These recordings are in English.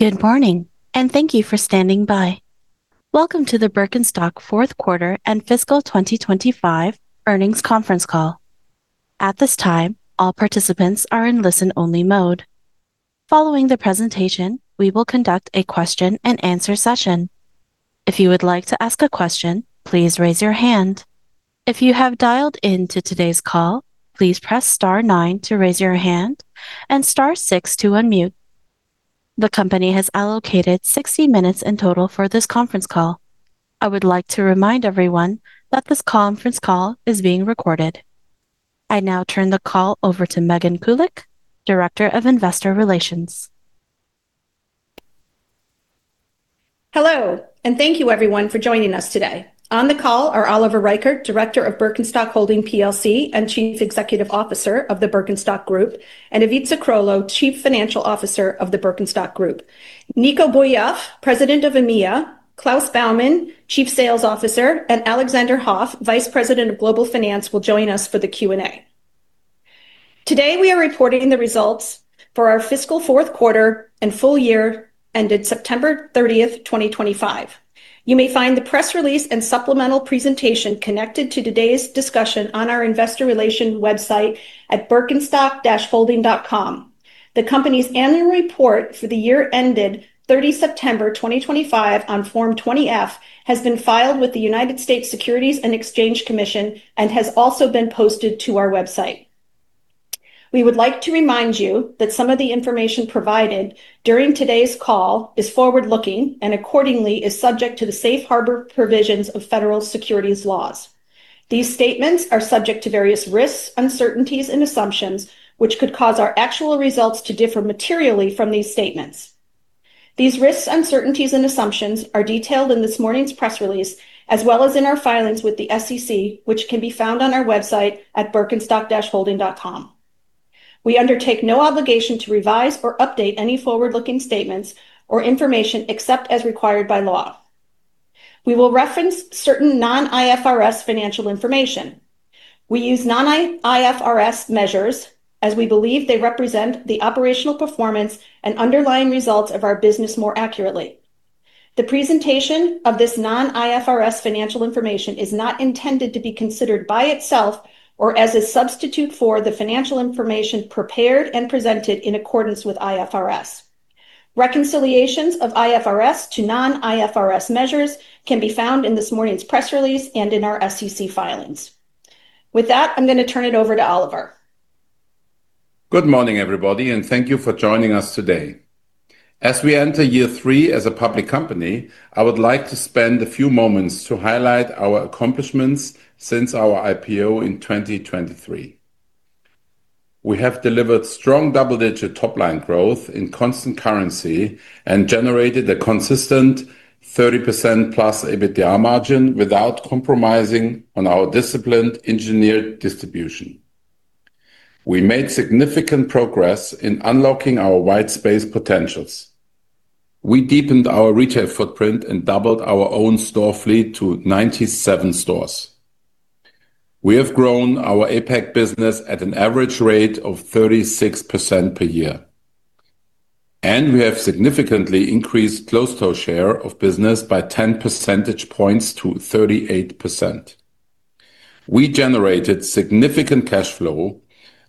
Good morning, and thank you for standing by. Welcome to the Birkenstock Quarter and Fiscal 2025 earnings conference call. At this time, all participants are in listen-only mode. Following the presentation, we will conduct a question-and-answer session. If you would like to ask a question, please raise your hand. If you have dialed into today's call, please press star nine to raise your hand and star six to unmute. The company has allocated 60 minutes in total for this conference call. I would like to remind everyone that this conference call is being recorded. I now turn the call over to Megan Kulick, Director of Investor Relations. Hello, and thank you, everyone, for joining us today. On the call are Oliver Reichert, Director of Birkenstock Holding PLC and Chief Executive Officer of the Birkenstock Group, and Ivica Krolo, Chief Financial Officer of the Birkenstock Group. Nico Bouyakhf, President of EMEA, Klaus Baumann, Chief Sales Officer, and Alexander Hoff, Vice President of Global Finance, will join us for the Q&A. Today, we are reporting the results for our fiscal fourth quarter and full year ended September 30, 2025. You may find the press release and supplemental presentation connected to today's discussion on our investor relation website at birkenstock-holding.com. The company's annual report for the year ended 30 September 2025 on Form 20-F has been filed with the United States Securities and Exchange Commission and has also been posted to our website. We would like to remind you that some of the information provided during today's call is forward-looking and, accordingly, is subject to the safe harbor provisions of federal securities laws. These statements are subject to various risks, uncertainties, and assumptions, which could cause our actual results to differ materially from these statements. These risks, uncertainties, and assumptions are detailed in this morning's press release, as well as in our filings with the SEC, which can be found on our website at birkenstock-holding.com. We undertake no obligation to revise or update any forward-looking statements or information except as required by law. We will reference certain non-IFRS financial information. We use non-IFRS measures as we believe they represent the operational performance and underlying results of our business more accurately. The presentation of this non-IFRS financial information is not intended to be considered by itself or as a substitute for the financial information prepared and presented in accordance with IFRS. Reconciliations of IFRS to non-IFRS measures can be found in this morning's press release and in our SEC filings. With that, I'm going to turn it over to Oliver. Good morning, everybody, and thank you for joining us today. As we enter year three as a public company, I would like to spend a few moments to highlight our accomplishments since our IPO in 2023. We have delivered strong double-digit top-line growth in constant currency and generated a consistent 30% plus EBITDA margin without compromising on our disciplined engineered distribution. We made significant progress in unlocking our white space potentials. We deepened our retail footprint and doubled our own store fleet to 97 stores. We have grown our APAC business at an average rate of 36% per year, and we have significantly increased the closed-toe share of business by 10 percentage points to 38%. We generated significant cash flow,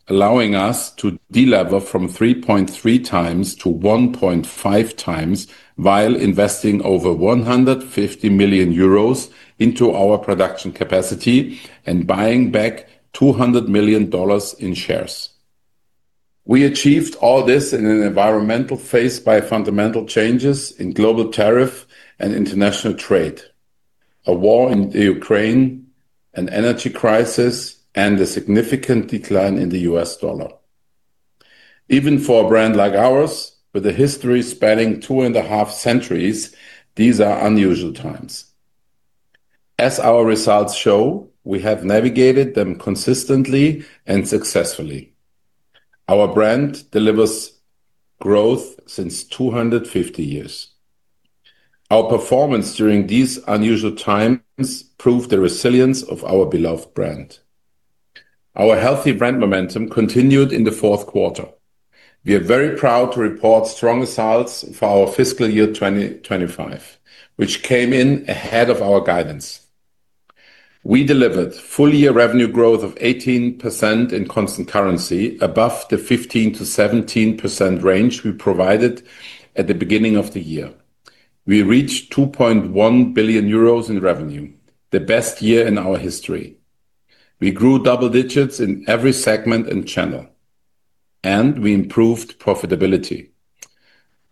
allowing us to de-lever from 3.3x to 1.5x while investing over 150 million euros into our production capacity and buying back $200 million in shares. We achieved all this in an environment beset by fundamental changes in global tariffs and international trade, a war in Ukraine, an energy crisis, and a significant decline in the U.S. dollar. Even for a brand like ours, with a history spanning two and a half centuries, these are unusual times. As our results show, we have navigated them consistently and successfully. Our brand delivers growth since 250 years. Our performance during these unusual times proved the resilience of our beloved brand. Our healthy brand momentum continued in the fourth quarter. We are very proud to report strong results for our fiscal year 2025, which came in ahead of our guidance. We delivered full-year revenue growth of 18% in constant currency above the 15%-17% range we provided at the beginning of the year. We reached 2.1 billion euros in revenue, the best year in our history. We grew double digits in every segment and channel, and we improved profitability.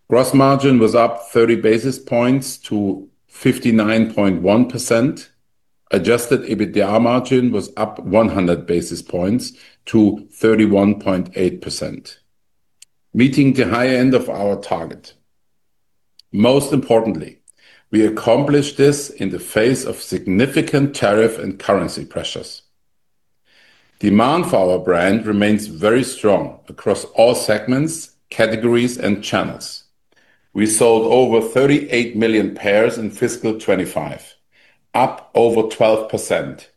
Gross margin was up 30 basis points to 59.1%. Adjusted EBITDA margin was up 100 basis points to 31.8%, meeting the high end of our target. Most importantly, we accomplished this in the face of significant tariff and currency pressures. Demand for our brand remains very strong across all segments, categories, and channels. We sold over 38 million pairs in fiscal 2025, up over 12%.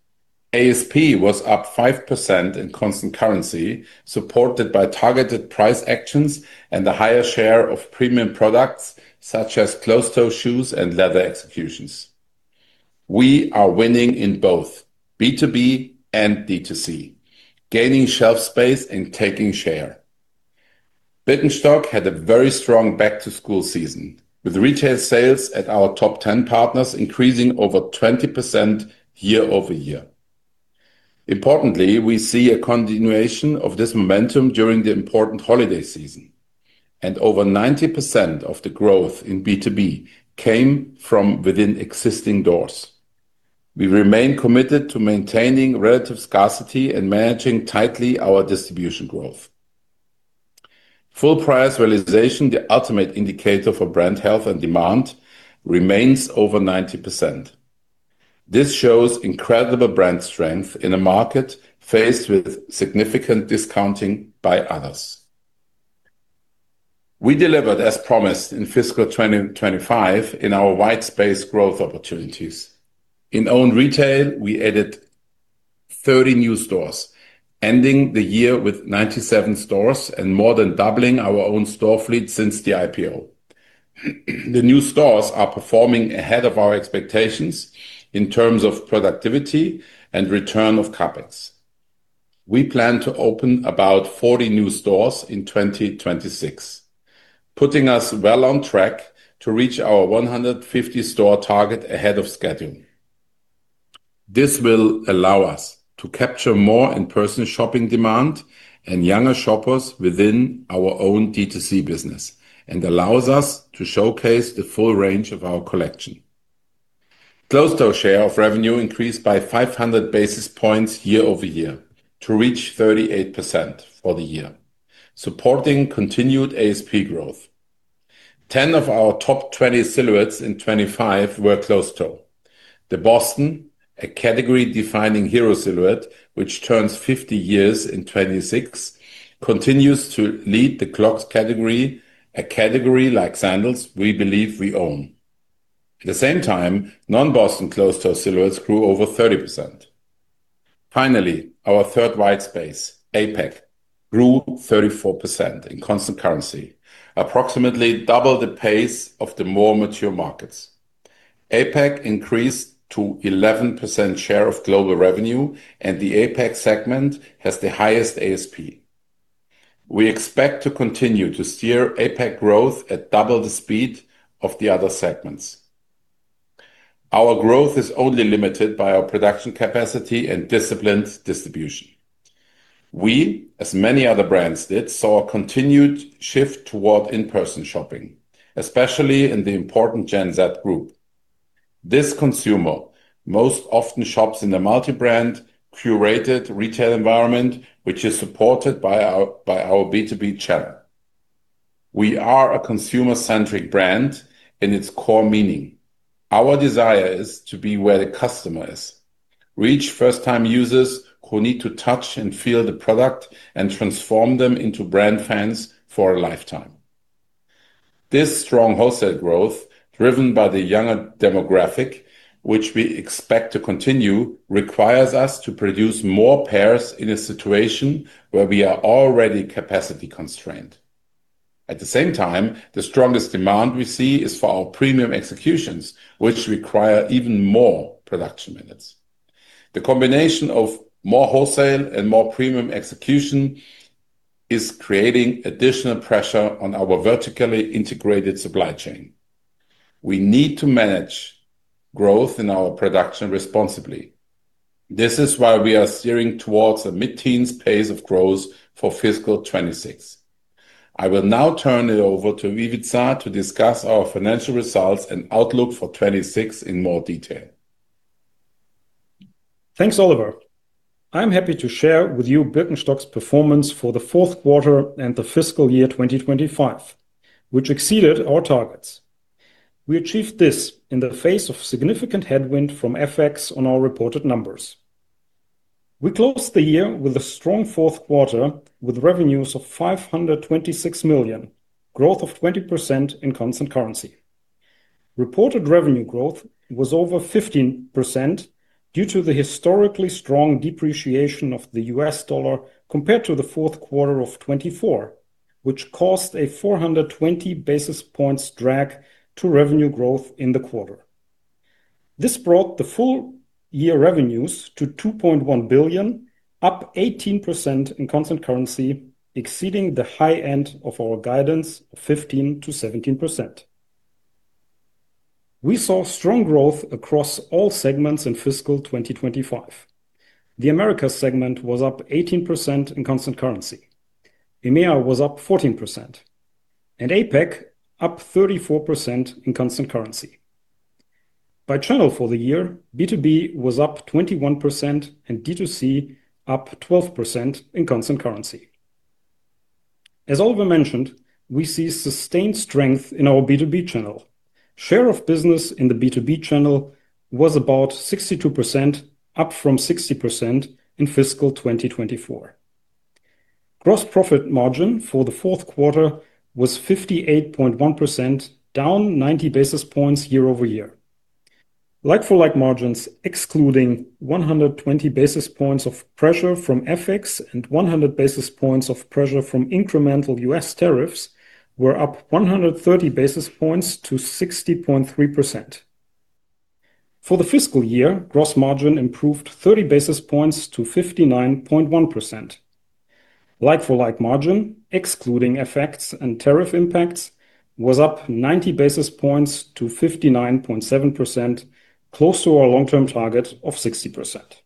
ASP was up 5% in constant currency, supported by targeted price actions and a higher share of premium products such as closed-toe shoes and leather executions. We are winning in both B2B and D2C, gaining shelf space and taking share. Birkenstock had a very strong back-to-school season, with retail sales at our top 10 partners increasing over 20% year over year. Importantly, we see a continuation of this momentum during the important holiday season, and over 90% of the growth in B2B came from within existing doors. We remain committed to maintaining relative scarcity and managing tightly our distribution growth. Full price realization, the ultimate indicator for brand health and demand, remains over 90%. This shows incredible brand strength in a market faced with significant discounting by others. We delivered as promised in fiscal 2025 in our white space growth opportunities. In own retail, we added 30 new stores, ending the year with 97 stores and more than doubling our own store fleet since the IPO. The new stores are performing ahead of our expectations in terms of productivity and return on CapEx. We plan to open about 40 new stores in 2026, putting us well on track to reach our 150-store target ahead of schedule. This will allow us to capture more in-person shopping demand and younger shoppers within our own D2C business and allows us to showcase the full range of our collection. Closed-toe share of revenue increased by 500 basis points year over year to reach 38% for the year, supporting continued ASP growth. 10 of our top 20 silhouettes in 2025 were closed-toe. The Boston, a category-defining hero silhouette, which turns 50 years in 2026, continues to lead the clog category, a category like sandals we believe we own. At the same time, non-Boston closed-toe silhouettes grew over 30%. Finally, our third white space, APAC, grew 34% in constant currency, approximately double the pace of the more mature markets. APAC increased to 11% share of global revenue, and the APAC segment has the highest ASP. We expect to continue to steer APAC growth at double the speed of the other segments. Our growth is only limited by our production capacity and disciplined distribution. We, as many other brands did, saw a continued shift toward in-person shopping, especially in the important Gen Z group. This consumer most often shops in a multi-brand curated retail environment, which is supported by our B2B channel. We are a consumer-centric brand in its core meaning. Our desire is to be where the customer is, reach first-time users who need to touch and feel the product and transform them into brand fans for a lifetime. This strong wholesale growth, driven by the younger demographic, which we expect to continue, requires us to produce more pairs in a situation where we are already capacity constrained. At the same time, the strongest demand we see is for our premium executions, which require even more production minutes. The combination of more wholesale and more premium execution is creating additional pressure on our vertically integrated supply chain. We need to manage growth in our production responsibly. This is why we are steering towards a mid-teens pace of growth for fiscal 2026. I will now turn it over to Ivica to discuss our financial results and outlook for 2026 in more detail. Thanks, Oliver. I'm happy to share with you Birkenstock's performance for the fourth quarter and the fiscal year 2025, which exceeded our targets. We achieved this in the face of significant headwind from FX on our reported numbers. We closed the year with a strong fourth quarter with revenues of 526 million, growth of 20% in constant currency. Reported revenue growth was over 15% due to the historically strong depreciation of the US dollar compared to the fourth quarter of 2024, which caused a 420 basis points drag to revenue growth in the quarter. This brought the full-year revenues to 2.1 billion, up 18% in constant currency, exceeding the high end of our guidance of 15%-17%. We saw strong growth across all segments in fiscal 2025. The Americas segment was up 18% in constant currency. EMEA was up 14%, and APAC up 34% in constant currency. By channel for the year, B2B was up 21% and D2C up 12% in constant currency. As Oliver mentioned, we see sustained strength in our B2B channel. Share of business in the B2B channel was about 62%, up from 60% in fiscal 2024. Gross profit margin for the fourth quarter was 58.1%, down 90 basis points year over year. Like-for-like margins, excluding 120 basis points of pressure from FX and 100 basis points of pressure from incremental US tariffs, were up 130 basis points to 60.3%. For the fiscal year, gross margin improved 30 basis points to 59.1%. Like-for-like margin, excluding FX and tariff impacts, was up 90 basis points to 59.7%, close to our long-term target of 60%.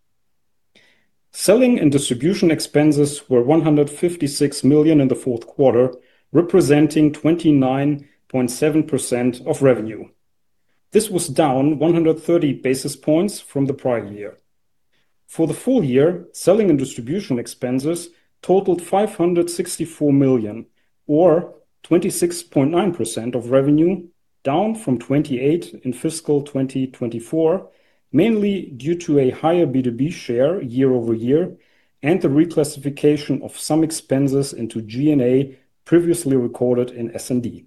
Selling and distribution expenses were 156 million in the fourth quarter, representing 29.7% of revenue. This was down 130 basis points from the prior year. For the full year, selling and distribution expenses totaled 564 million, or 26.9% of revenue, down from 28% in fiscal 2024, mainly due to a higher B2B share year over year and the reclassification of some expenses into G&A previously recorded in S&D.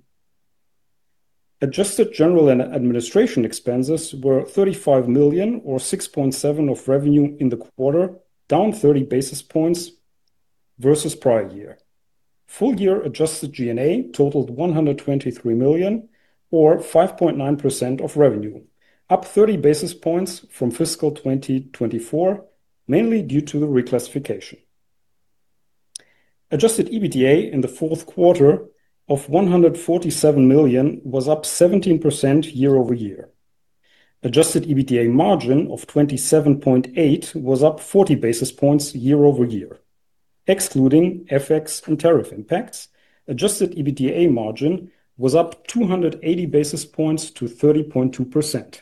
Adjusted general and administrative expenses were 35 million, or 6.7% of revenue in the quarter, down 30 basis points versus prior year. Full-year adjusted G&A totaled 123 million, or 5.9% of revenue, up 30 basis points from fiscal 2024, mainly due to the reclassification. Adjusted EBITDA in the fourth quarter of 147 million was up 17% year over year. Adjusted EBITDA margin of 27.8% was up 40 basis points year over year. Excluding FX and tariff impacts, adjusted EBITDA margin was up 280 basis points to 30.2%.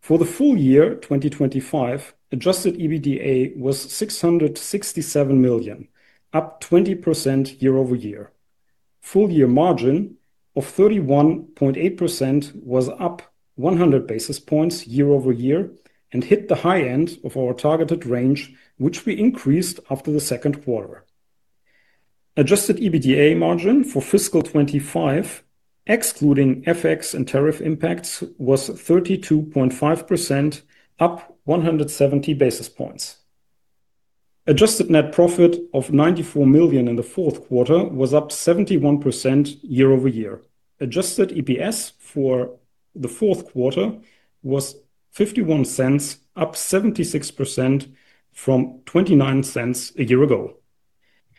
For the full year 2025, adjusted EBITDA was 667 million, up 20% year over year. Full-year margin of 31.8% was up 100 basis points year over year and hit the high end of our targeted range, which we increased after the second quarter. Adjusted EBITDA margin for fiscal 2025, excluding FX and tariff impacts, was 32.5%, up 170 basis points. Adjusted net profit of 94 million in the fourth quarter was up 71% year over year. Adjusted EPS for the fourth quarter was $0.51, up 76% from $0.29 a year ago.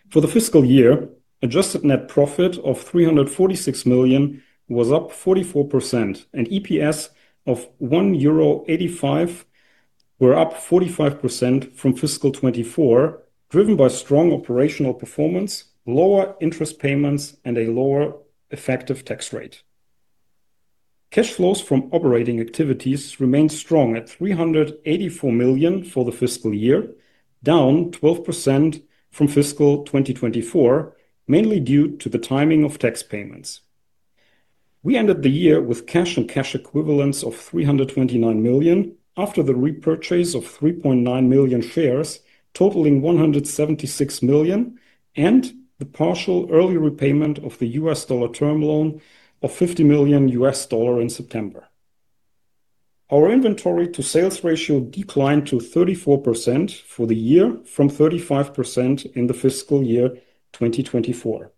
For the fiscal year, adjusted net profit of 346 million was up 44%, and EPS of 1.85 euro were up 45% from fiscal 2024, driven by strong operational performance, lower interest payments, and a lower effective tax rate. Cash flows from operating activities remained strong at 384 million for the fiscal year, down 12% from fiscal 2024, mainly due to the timing of tax payments. We ended the year with cash and cash equivalents of 329 million after the repurchase of 3.9 million shares, totaling 176 million, and the partial early repayment of the U.S. dollar term loan of $50 million in September. Our inventory to sales ratio declined to 34% for the year from 35% in the fiscal year 2024.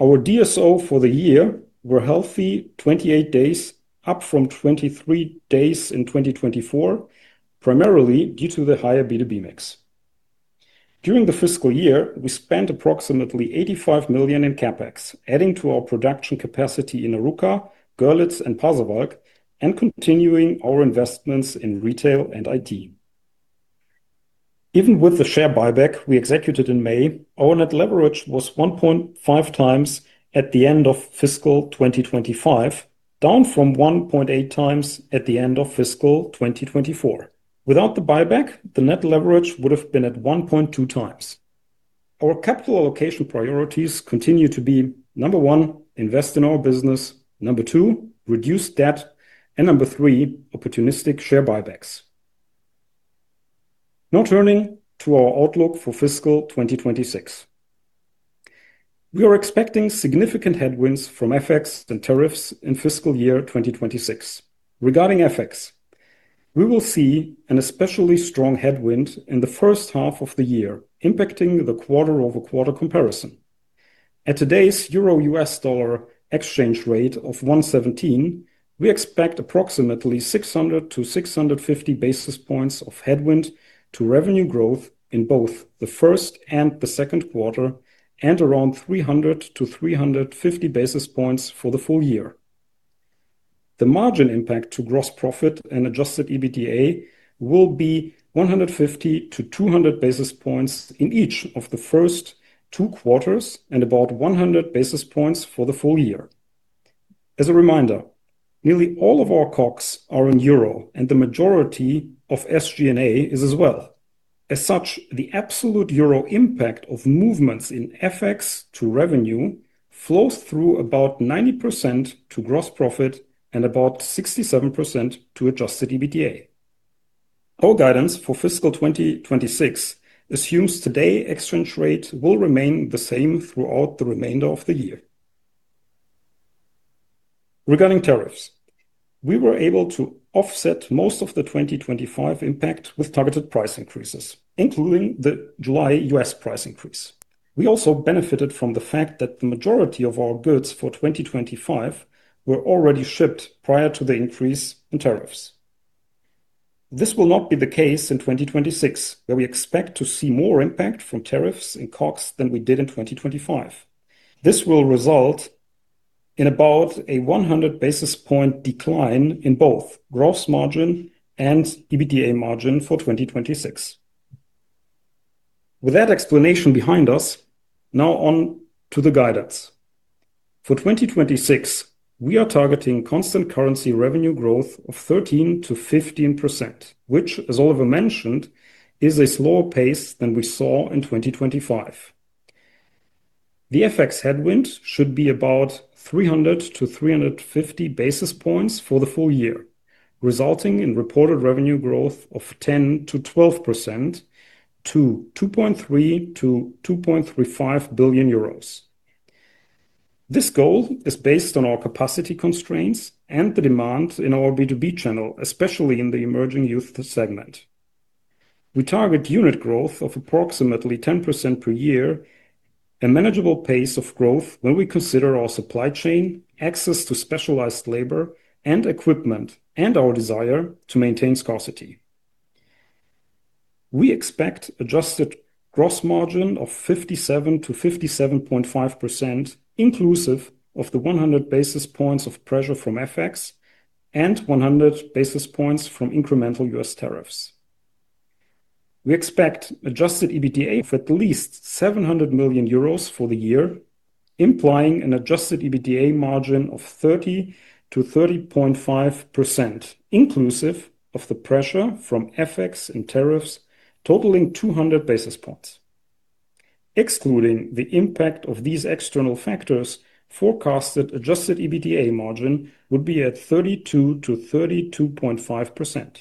Our DSO for the year were healthy 28 days, up from 23 days in 2024, primarily due to the higher B2B mix. During the fiscal year, we spent approximately 85 million in CapEx, adding to our production capacity in Arouca, Görlitz, and Pasewalk, and continuing our investments in retail and IT. Even with the share buyback we executed in May, our net leverage was 1.5x at the end of fiscal 2025, down from 1.8x at the end of fiscal 2024. Without the buyback, the net leverage would have been at 1.2x. Our capital allocation priorities continue to be number one, invest in our business, number two, reduce debt, and number three, opportunistic share buybacks. Now turning to our outlook for fiscal 2026. We are expecting significant headwinds from FX and tariffs in fiscal year 2026. Regarding FX, we will see an especially strong headwind in the first half of the year, impacting the quarter-over-quarter comparison. At today's euro U.S. dollar exchange rate of 117, we expect approximately 600-650 basis points of headwind to revenue growth in both the first and the second quarter, and around 300-350 basis points for the full year. The margin impact to gross profit and Adjusted EBITDA will be 150-200 basis points in each of the first two quarters and about 100 basis points for the full year. As a reminder, nearly all of our COGS are in euro, and the majority of SG&A is as well. As such, the absolute euro impact of movements in FX to revenue flows through about 90% to gross profit and about 67% to adjusted EBITDA. Our guidance for fiscal 2026 assumes today's exchange rate will remain the same throughout the remainder of the year. Regarding tariffs, we were able to offset most of the 2025 impact with targeted price increases, including the July U.S. price increase. We also benefited from the fact that the majority of our goods for 2025 were already shipped prior to the increase in tariffs. This will not be the case in 2026, where we expect to see more impact from tariffs and COGS than we did in 2025. This will result in about 100 basis points decline in both gross margin and EBITDA margin for 2026. With that explanation behind us, now on to the guidance. For 2026, we are targeting constant currency revenue growth of 13%-15%, which, as Oliver mentioned, is a slower pace than we saw in 2025. The FX headwind should be about 300-350 basis points for the full year, resulting in reported revenue growth of 10%-12% to 2.3-2.35 billion euros. This goal is based on our capacity constraints and the demand in our B2B channel, especially in the emerging youth segment. We target unit growth of approximately 10% per year, a manageable pace of growth when we consider our supply chain, access to specialized labor and equipment, and our desire to maintain scarcity. We expect adjusted gross margin of 57%-57.5%, inclusive of the 100 basis points of pressure from FX and 100 basis points from incremental U.S. tariffs. We expect adjusted EBITDA of at least 700 million euros for the year, implying an adjusted EBITDA margin of 30%-30.5%, inclusive of the pressure from FX and tariffs, totaling 200 basis points. Excluding the impact of these external factors, forecasted adjusted EBITDA margin would be at 32%-32.5%.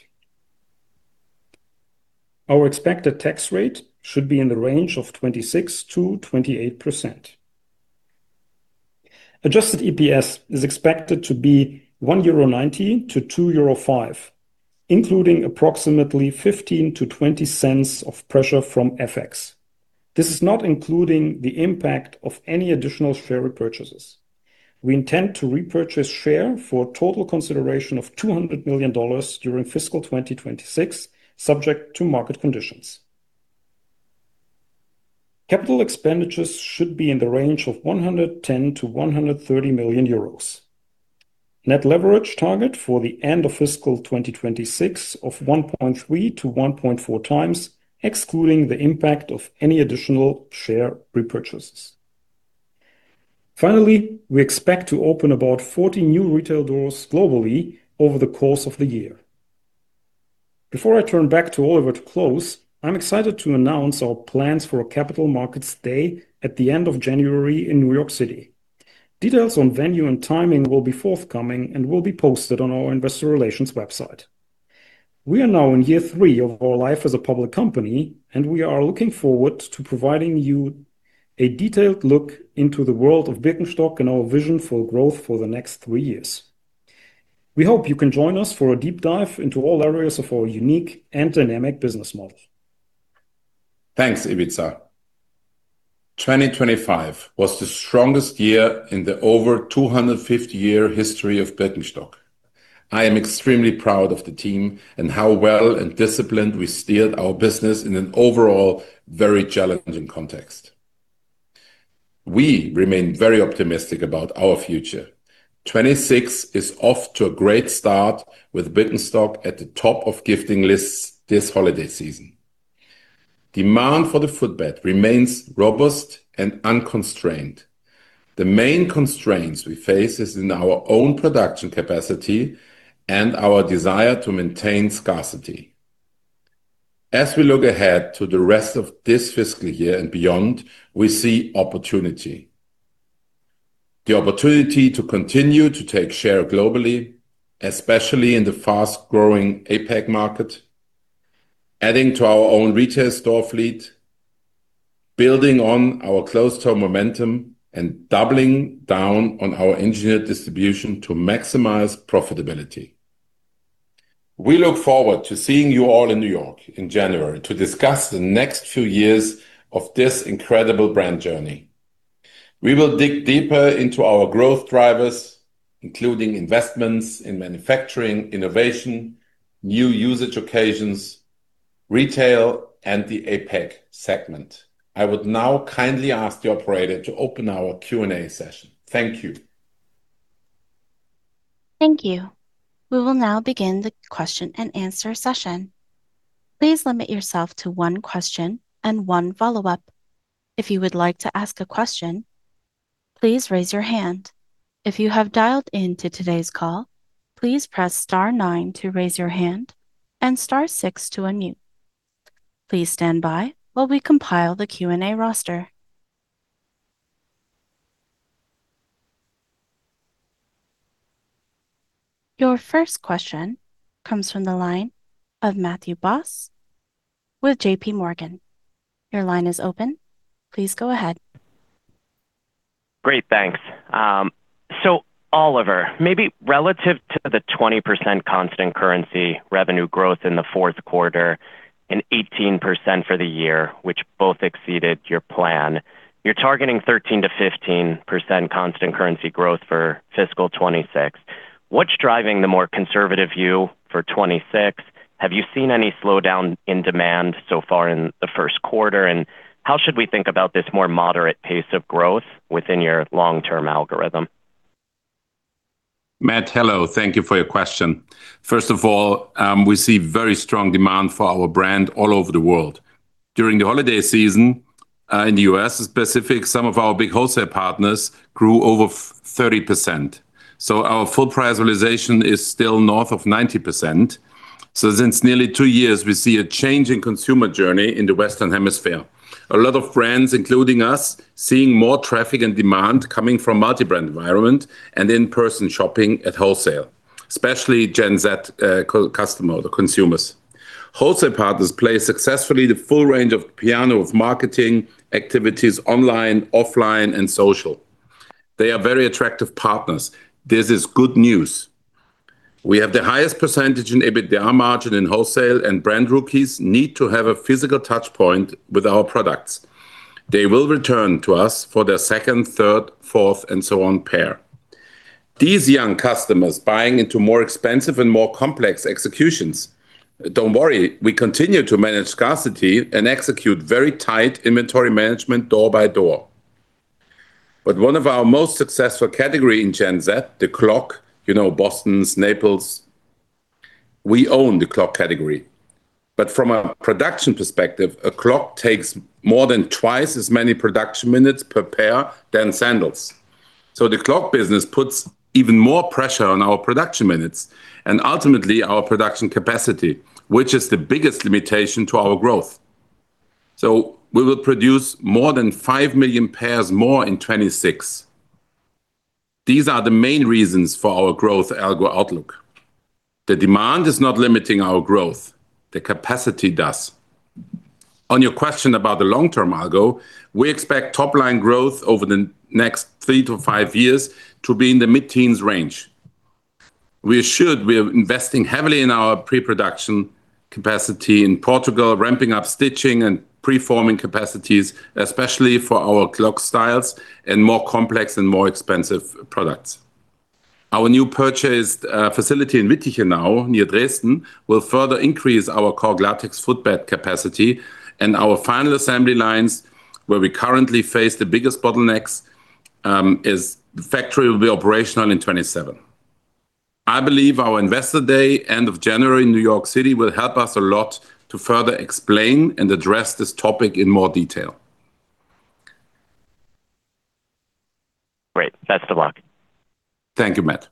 Our expected tax rate should be in the range of 26%-28%. Adjusted EPS is expected to be 1.90-2.05 euro, including approximately 15%-20% of pressure from FX. This is not including the impact of any additional share repurchases. We intend to repurchase share for a total consideration of $200 million during fiscal 2026, subject to market conditions. Capital expenditures should be in the range of 110 million-130 million euros. Net leverage target for the end of fiscal 2026 of 1.3-1.4x, excluding the impact of any additional share repurchases. Finally, we expect to open about 40 new retail doors globally over the course of the year. Before I turn back to Oliver to close, I'm excited to announce our plans for a Capital Markets Day at the end of January in New York City. Details on venue and timing will be forthcoming and will be posted on our investor relations website. We are now in year three of our life as a public company, and we are looking forward to providing you a detailed look into the world of Birkenstock and our vision for growth for the next three years. We hope you can join us for a deep dive into all areas of our unique and dynamic business model. Thanks, Ivica. 2025 was the strongest year in the over 250-year history of Birkenstock. I am extremely proud of the team and how well and disciplined we steered our business in an overall very challenging context. We remain very optimistic about our future. 2026 is off to a great start with Birkenstock at the top of gifting lists this holiday season. Demand for the footbed remains robust and unconstrained. The main constraints we face are in our own production capacity and our desire to maintain scarcity. As we look ahead to the rest of this fiscal year and beyond, we see opportunity. The opportunity to continue to take share globally, especially in the fast-growing APAC market, adding to our own retail store fleet, building on our close-toe momentum, and doubling down on our engineered distribution to maximize profitability. We look forward to seeing you all in New York in January to discuss the next few years of this incredible brand journey. We will dig deeper into our growth drivers, including investments in manufacturing, innovation, new usage occasions, retail, and the APAC segment. I would now kindly ask the operator to open our Q&A session. Thank you. Thank you. We will now begin the question and answer session. Please limit yourself to one question and one follow-up. If you would like to ask a question, please raise your hand. If you have dialed into today's call, please press star 9 to raise your hand and star 6 to unmute. Please stand by while we compile the Q&A roster. Your first question comes from the line of Matthew Boss with JPMorgan. Your line is open. Please go ahead. Great, thanks. So, Oliver, maybe relative to the 20% constant currency revenue growth in the fourth quarter and 18% for the year, which both exceeded your plan, you're targeting 13%-15% constant currency growth for fiscal 26. What's driving the more conservative view for 26? Have you seen any slowdown in demand so far in the first quarter? And how should we think about this more moderate pace of growth within your long-term algorithm? Matt, hello. Thank you for your question. First of all, we see very strong demand for our brand all over the world. During the holiday season in the U.S., specifically, some of our big wholesale partners grew over 30%. So our full prioritization is still north of 90%. So since nearly two years, we see a change in consumer journey in the Western Hemisphere. A lot of brands, including us, are seeing more traffic and demand coming from multi-brand environment and in-person shopping at wholesale, especially Gen Z customers or consumers. Wholesale partners play successfully the full range of promotional activities online, offline, and social. They are very attractive partners. This is good news. We have the highest percentage in EBITDA margin in wholesale, and brand rookies need to have a physical touchpoint with our products. They will return to us for their second, third, fourth, and so on pair. These young customers are buying into more expensive and more complex executions. Don't worry, we continue to manage scarcity and execute very tight inventory management door by door. But one of our most successful categories in Gen Z, the clog, you know, Bostons, Naples, we own the clog category. But from a production perspective, a clog takes more than twice as many production minutes per pair than sandals. So the clog business puts even more pressure on our production minutes and ultimately our production capacity, which is the biggest limitation to our growth. So we will produce more than 5 million pairs more in 2026. These are the main reasons for our growth algo outlook. The demand is not limiting our growth; the capacity does. On your question about the long-term algo, we expect top-line growth over the next three to five years to be in the mid-teens range. We assured we are investing heavily in our pre-production capacity in Portugal, ramping up stitching and pre-forming capacities, especially for our clog styles and more complex and more expensive products. Our new purchased facility in Wittichenau, near Dresden, will further increase our Cork-Latex footbed capacity. And our final assembly lines, where we currently face the biggest bottlenecks, the factory will be operational in 2027. I believe our investor day end of January in New York City will help us a lot to further explain and address this topic in more detail. Great. Best of luck. Thank you, Matt.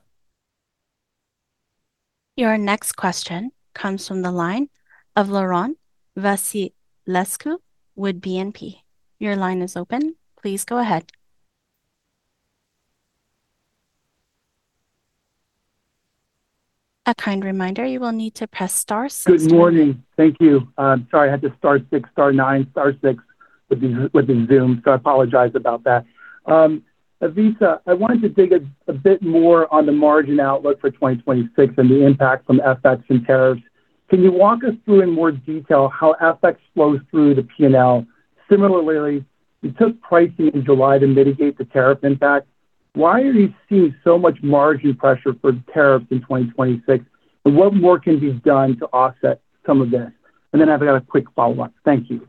Your next question comes from the line of Laurent Vasilescu, with BNP. Your line is open. Please go ahead. A kind reminder, you will need to press star six. Good morning. Thank you. I'm sorry, I had to star six, star nine, star six with the Zoom, so I apologize about that. Ivica, I wanted to dig a bit more on the margin outlook for 2026 and the impact from FX and tariffs. Can you walk us through in more detail how FX flows through the P&L? Similarly, you took pricing in July to mitigate the tariff impact. Why are you seeing so much margin pressure for tariffs in 2026? And what more can be done to offset some of this? And then I've got a quick follow-up. Thank you.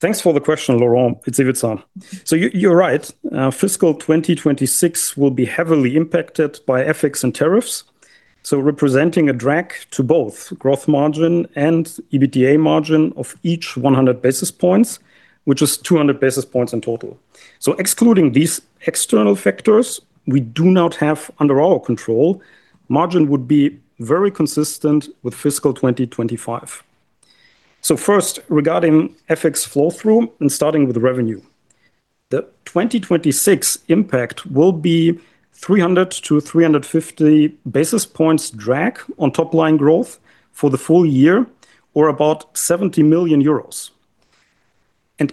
Thanks for the question, Laurent. It's Ivica. So you're right. Fiscal 2026 will be heavily impacted by FX and tariffs, so representing a drag to both gross margin and EBITDA margin of each 100 basis points, which is 200 basis points in total. Excluding these external factors we do not have under our control, margin would be very consistent with fiscal 2025. First, regarding FX flow-through and starting with revenue, the 2026 impact will be 300-350 basis points drag on top-line growth for the full year or about 70 million euros.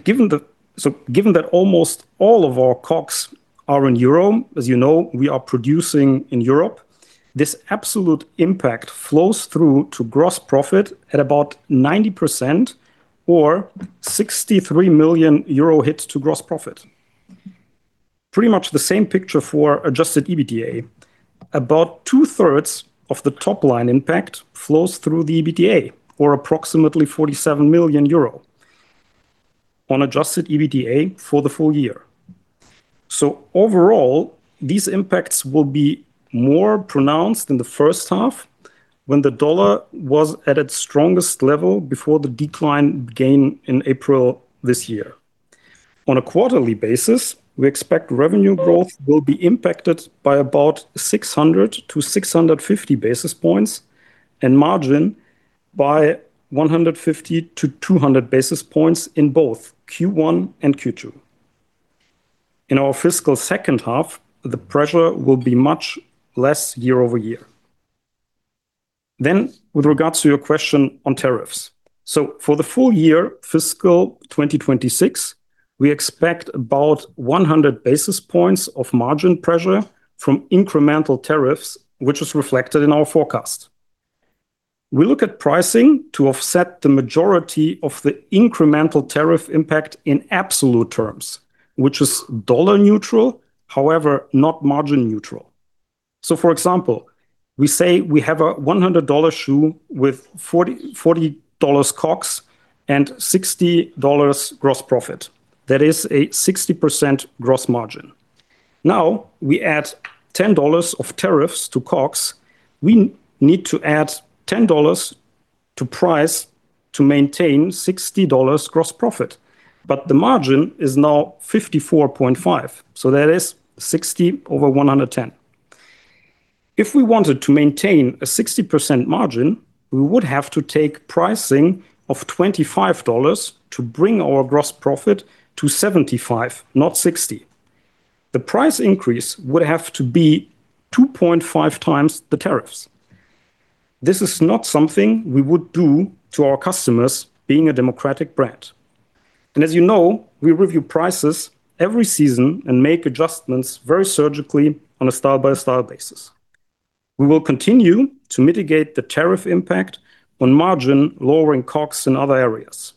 Given that almost all of our COGS are in euro, as you know, we are producing in Europe, this absolute impact flows through to gross profit at about 90% or 63 million euro hit to gross profit. Pretty much the same picture for adjusted EBITDA. About two-thirds of the top-line impact flows through the EBITDA or approximately 47 million euro on adjusted EBITDA for the full year. Overall, these impacts will be more pronounced in the first half when the dollar was at its strongest level before the decline in April this year. On a quarterly basis, we expect revenue growth will be impacted by about 600-650 basis points and margin by 150-200 basis points in both Q1 and Q2. In our fiscal second half, the pressure will be much less year over year. Then, with regards to your question on tariffs, so for the full year fiscal 2026, we expect about 100 basis points of margin pressure from incremental tariffs, which is reflected in our forecast. We look at pricing to offset the majority of the incremental tariff impact in absolute terms, which is dollar neutral, however, not margin neutral. So for example, we say we have a $100 shoe with $40 COGS and $60 gross profit. That is a 60% gross margin. Now we add $10 of tariffs to COGS. We need to add $10 to price to maintain $60 gross profit. But the margin is now 54.5%, so that is 60 over 110. If we wanted to maintain a 60% margin, we would have to take pricing of $25 to bring our gross profit to 75%, not 60%. The price increase would have to be 2.5x the tariffs. This is not something we would do to our customers being a democratic brand. And as you know, we review prices every season and make adjustments very surgically on a style-by-style basis. We will continue to mitigate the tariff impact on margin lowering COGS in other areas.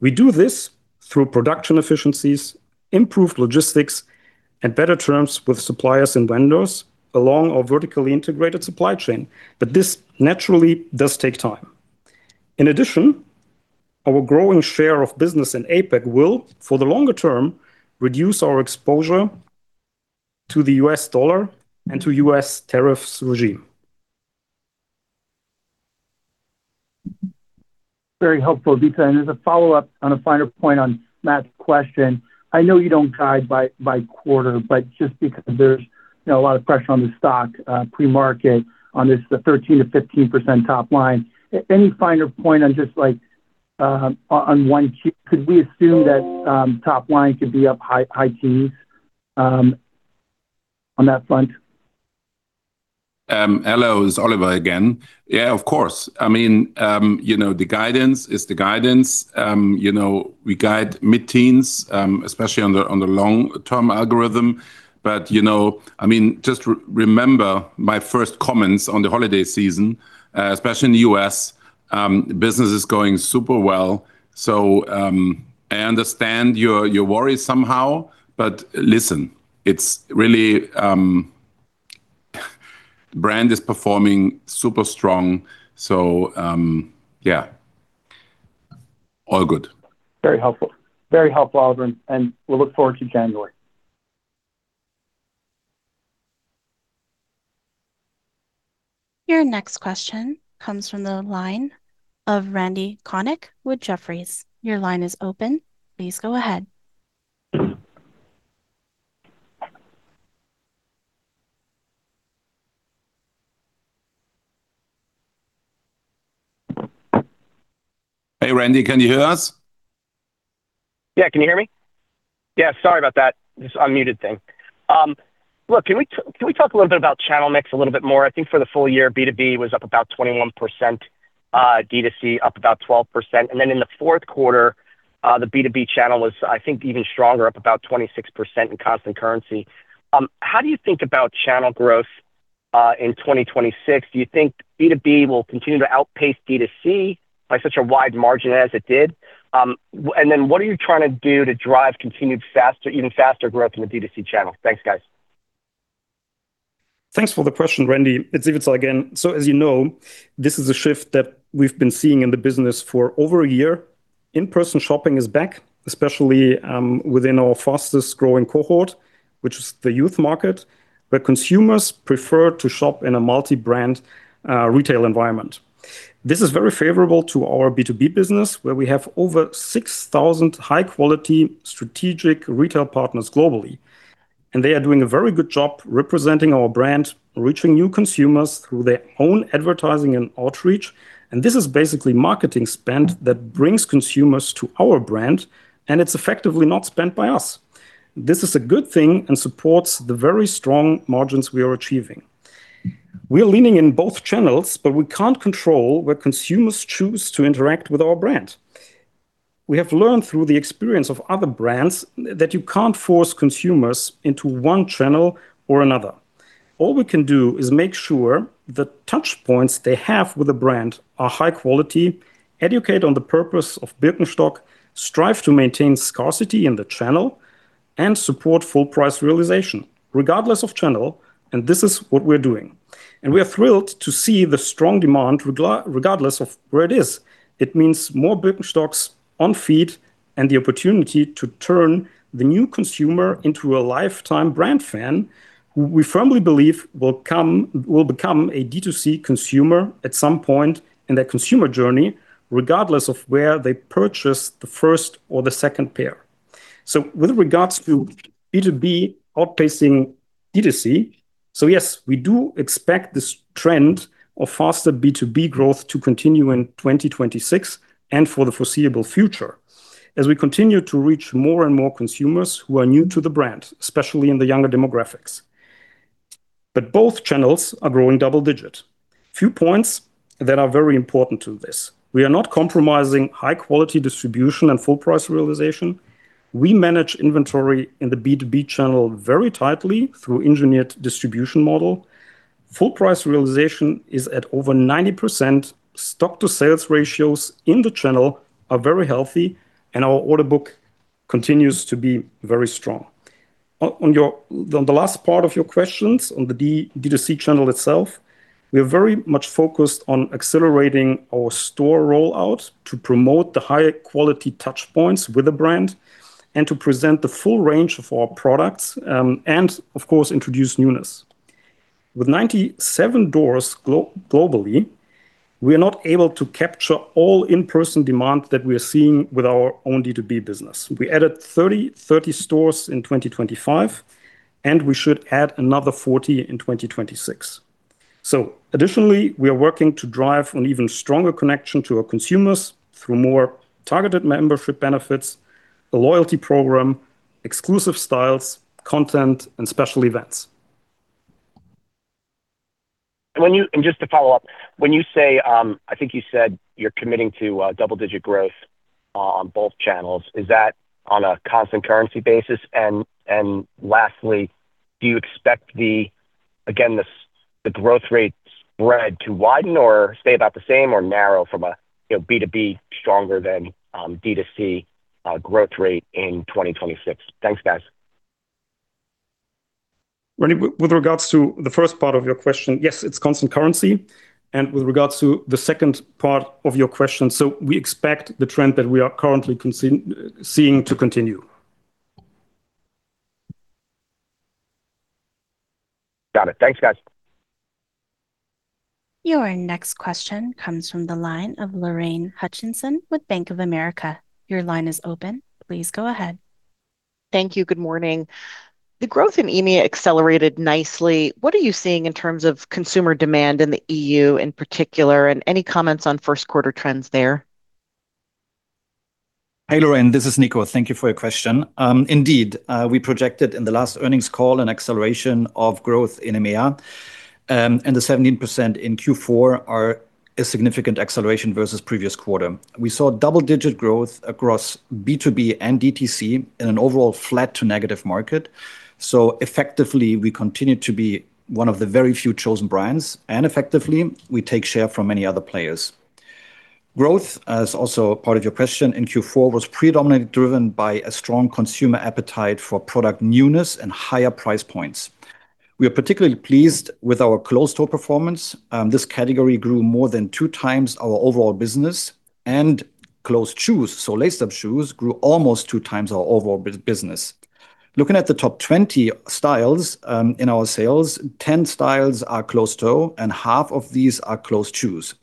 We do this through production efficiencies, improved logistics, and better terms with suppliers and vendors along our vertically integrated supply chain. But this naturally does take time. In addition, our growing share of business in APAC will, for the longer term, reduce our exposure to the U.S. dollar and to U.S. tariffs regime. Very helpful, Ivica. And as a follow-up on a finer point on Matt's question, I know you don't guide by quarter, but just because there's a lot of pressure on the stock pre-market on this 13%-15% top line, any finer point on just like on Q1, could we assume that top line could be up high teens on that front? Hello, it's Oliver again. Yeah, of course. I mean, the guidance is the guidance. We guide mid-teens, especially on the long-term algorithm. But I mean, just remember my first comments on the holiday season, especially in the U.S., business is going super well. So I understand your worries somehow, but listen, it's really the brand is performing super strong. So yeah, all good. Very helpful. Very helpful, Oliver. And we'll look forward to January. Your next question comes from the line of Randy Konik with Jefferies. Your line is open. Please go ahead. Hey, Randy, can you hear us? Yeah, can you hear me? Yeah, sorry about that unmuted thing. Look, can we talk a little bit about channel mix a little bit more? I think for the full year, B2B was up about 21%, D2C up about 12%. And then in the fourth quarter, the B2B channel was, I think, even stronger, up about 26% in constant currency. How do you think about channel growth in 2026? Do you think B2B will continue to outpace D2C by such a wide margin as it did? And then what are you trying to do to drive continued faster, even faster growth in the D2C channel? Thanks, guys. Thanks for the question, Randy. It's Ivica again. So as you know, this is a shift that we've been seeing in the business for over a year. In-person shopping is back, especially within our fastest growing cohort, which is the youth market, where consumers prefer to shop in a multi-brand retail environment. This is very favorable to our B2B business, where we have over 6,000 high-quality strategic retail partners globally, and they are doing a very good job representing our brand, reaching new consumers through their own advertising and outreach, and this is basically marketing spend that brings consumers to our brand, and it's effectively not spent by us. This is a good thing and supports the very strong margins we are achieving. We are leaning in both channels, but we can't control where consumers choose to interact with our brand. We have learned through the experience of other brands that you can't force consumers into one channel or another. All we can do is make sure the touchpoints they have with a brand are high quality, educate on the purpose of Birkenstock, strive to maintain scarcity in the channel, and support full price realization, regardless of channel, and this is what we're doing, and we are thrilled to see the strong demand, regardless of where it is. It means more Birkenstocks on feet and the opportunity to turn the new consumer into a lifetime brand fan who we firmly believe will become a D2C consumer at some point in their consumer journey, regardless of where they purchase the first or the second pair. So with regards to B2B outpacing D2C, so yes, we do expect this trend of faster B2B growth to continue in 2026 and for the foreseeable future, as we continue to reach more and more consumers who are new to the brand, especially in the younger demographics. But both channels are growing double-digit. Few points that are very important to this. We are not compromising high-quality distribution and full price realization. We manage inventory in the B2B channel very tightly through an engineered distribution model. Full price realization is at over 90%. Stock-to-sales ratios in the channel are very healthy, and our order book continues to be very strong. On the last part of your questions on the D2C channel itself, we are very much focused on accelerating our store rollout to promote the high-quality touchpoints with the brand and to present the full range of our products and, of course, introduce newness. With 97 stores globally, we are not able to capture all in-person demand that we are seeing with our own D2C business. We added 30 stores in 2025, and we should add another 40 in 2026. So additionally, we are working to drive an even stronger connection to our consumers through more targeted membership benefits, a loyalty program, exclusive styles, content, and special events. And just to follow up, when you say, I think you said you're committing to double-digit growth on both channels, is that on a constant currency basis? Lastly, do you expect, again, the growth rate spread to widen or stay about the same or narrow from a B2B stronger than D2C growth rate in 2026? Thanks, guys. With regards to the first part of your question, yes, it's constant currency. And with regards to the second part of your question, so we expect the trend that we are currently seeing to continue. Got it. Thanks, guys. Your next question comes from the line of Lorraine Hutchinson with Bank of America. Your line is open. Please go ahead. Thank you. Good morning. The growth in EMEA accelerated nicely. What are you seeing in terms of consumer demand in the EU in particular, and any comments on first-quarter trends there? Hey, Lorraine, this is Nico. Thank you for your question. Indeed, we projected in the last earnings call an acceleration of growth in EMEA, and the 17% in Q4 are a significant acceleration versus the previous quarter. We saw double-digit growth across B2B and D2C in an overall flat to negative market. So effectively, we continue to be one of the very few chosen brands, and effectively, we take share from many other players. Growth, as also part of your question in Q4, was predominantly driven by a strong consumer appetite for product newness and higher price points. We are particularly pleased with our closed-toe performance. This category grew more than two times our overall business, and closed shoes, so lace-up shoes, grew almost two times our overall business. Looking at the top 20 styles in our sales, 10 styles are closed-toe, and half of these are closed shoes.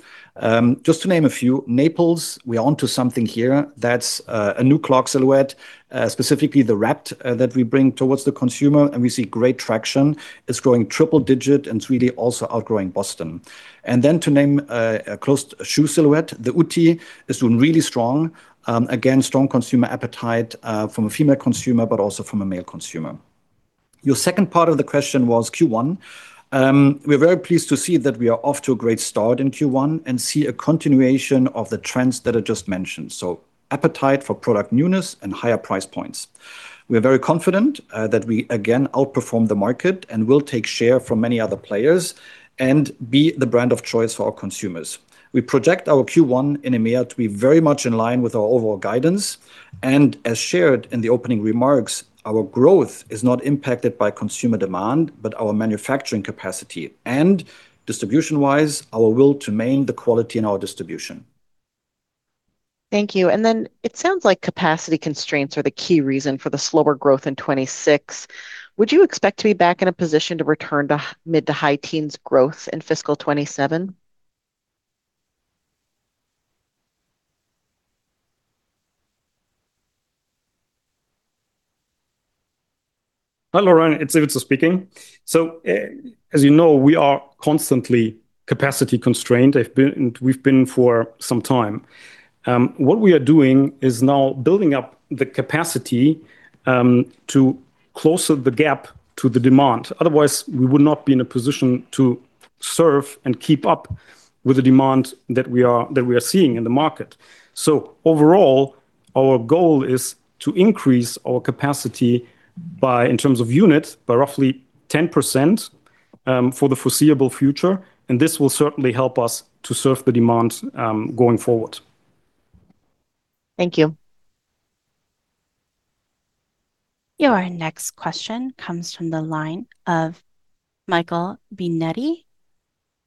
Just to name a few, Naples, we are onto something here. That's a new clog silhouette, specifically the wrap that we bring towards the consumer, and we see great traction. It's growing triple-digit, and it's really also outgrowing Boston. And then to name a closed-toe shoe silhouette, the Ypsi is doing really strong. Again, strong consumer appetite from a female consumer, but also from a male consumer. Your second part of the question was Q1. We are very pleased to see that we are off to a great start in Q1 and see a continuation of the trends that I just mentioned. So appetite for product newness and higher price points. We are very confident that we again outperform the market and will take share from many other players and be the brand of choice for our consumers. We project our Q1 in EMEA to be very much in line with our overall guidance. As shared in the opening remarks, our growth is not impacted by consumer demand, but our manufacturing capacity. Distribution-wise, our will to maintain the quality in our distribution. Thank you. It sounds like capacity constraints are the key reason for the slower growth in 2026. Would you expect to be back in a position to return to mid to high teens growth in fiscal 2027? Hi, Lorraine, it's Ivica speaking. So as you know, we are constantly capacity constrained. We've been for some time. What we are doing is now building up the capacity to close the gap to the demand. Otherwise, we would not be in a position to serve and keep up with the demand that we are seeing in the market. So overall, our goal is to increase our capacity in terms of units by roughly 10% for the foreseeable future. And this will certainly help us to serve the demand going forward. Thank you. Your next question comes from the line of Michael Binetti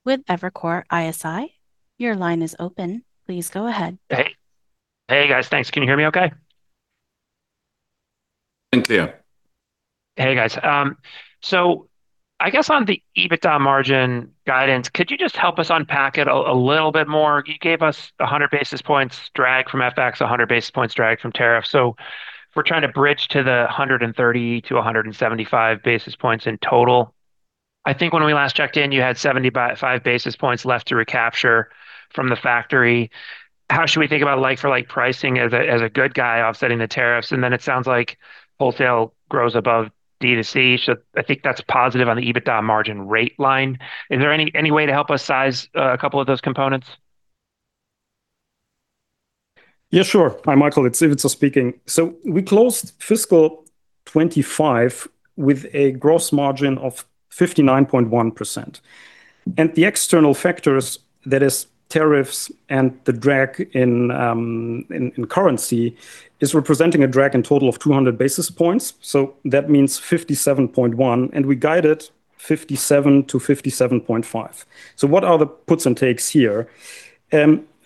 with Evercore ISI. Your line is open. Please go ahead. Hey. Hey, guys. Thanks. Can you hear me okay? Clear. Hey, guys. So I guess on the EBITDA margin guidance, could you just help us unpack it a little bit more? You gave us 100 basis points drag from FX, 100 basis points drag from tariff. So we're trying to bridge to the 130-175 basis points in total. I think when we last checked in, you had 75 basis points left to recapture from the factory. How should we think about like-for-like pricing as a good guy offsetting the tariffs? And then it sounds like wholesale grows above D2C. So I think that's positive on the EBITDA margin rate line. Is there any way to help us size a couple of those components? Yeah, sure. Hi, Michael. It's Ivica speaking. So we closed fiscal 2025 with a gross margin of 59.1%, and the external factors, that is, tariffs and the drag in currency, is representing a drag in total of 200 basis points. So that means 57.1%, and we guided 57% to 57.5%. So what are the puts and takes here?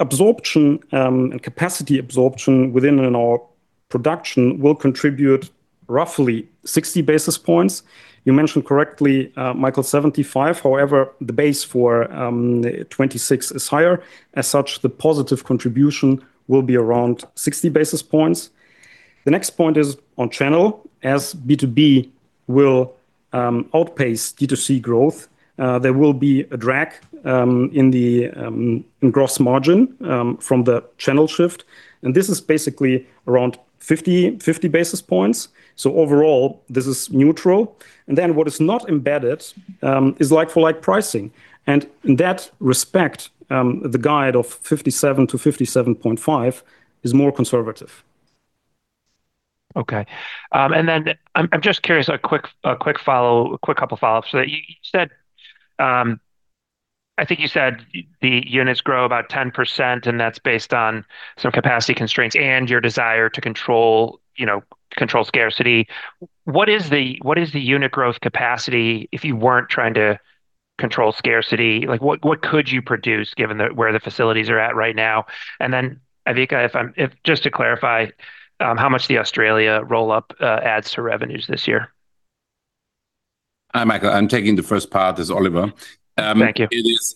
Absorption and capacity absorption within our production will contribute roughly 60 basis points. You mentioned correctly, Michael, 75. However, the base for 2026 is higher. As such, the positive contribution will be around 60 basis points. The next point is on channel. As B2B will outpace D2C growth, there will be a drag in the gross margin from the channel shift, and this is basically around 50 basis points. So overall, this is neutral. Then what is not embedded is like-for-like pricing. In that respect, the guide of 57%-57.5% is more conservative. Okay. I'm just curious, a quick couple of follow-ups. I think you said the units grow about 10%, and that's based on some capacity constraints and your desire to control scarcity. What is the unit growth capacity if you weren't trying to control scarcity? What could you produce given where the facilities are at right now? Ivica, just to clarify, how much does the Australia roll-up add to revenues this year? Hi, Michael. I'm taking the first part as Oliver. Thank you.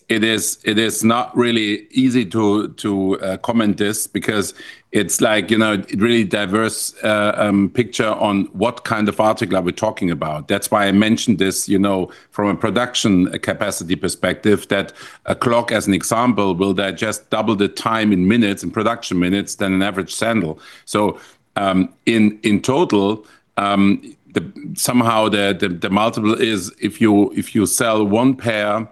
It is not really easy to comment this because it's like a really diverse picture on what kind of article are we talking about. That's why I mentioned this from a production capacity perspective, that a clog, as an example, will digest double the time in minutes, in production minutes, than an average sandal. So in total, somehow the multiple is if you sell one pair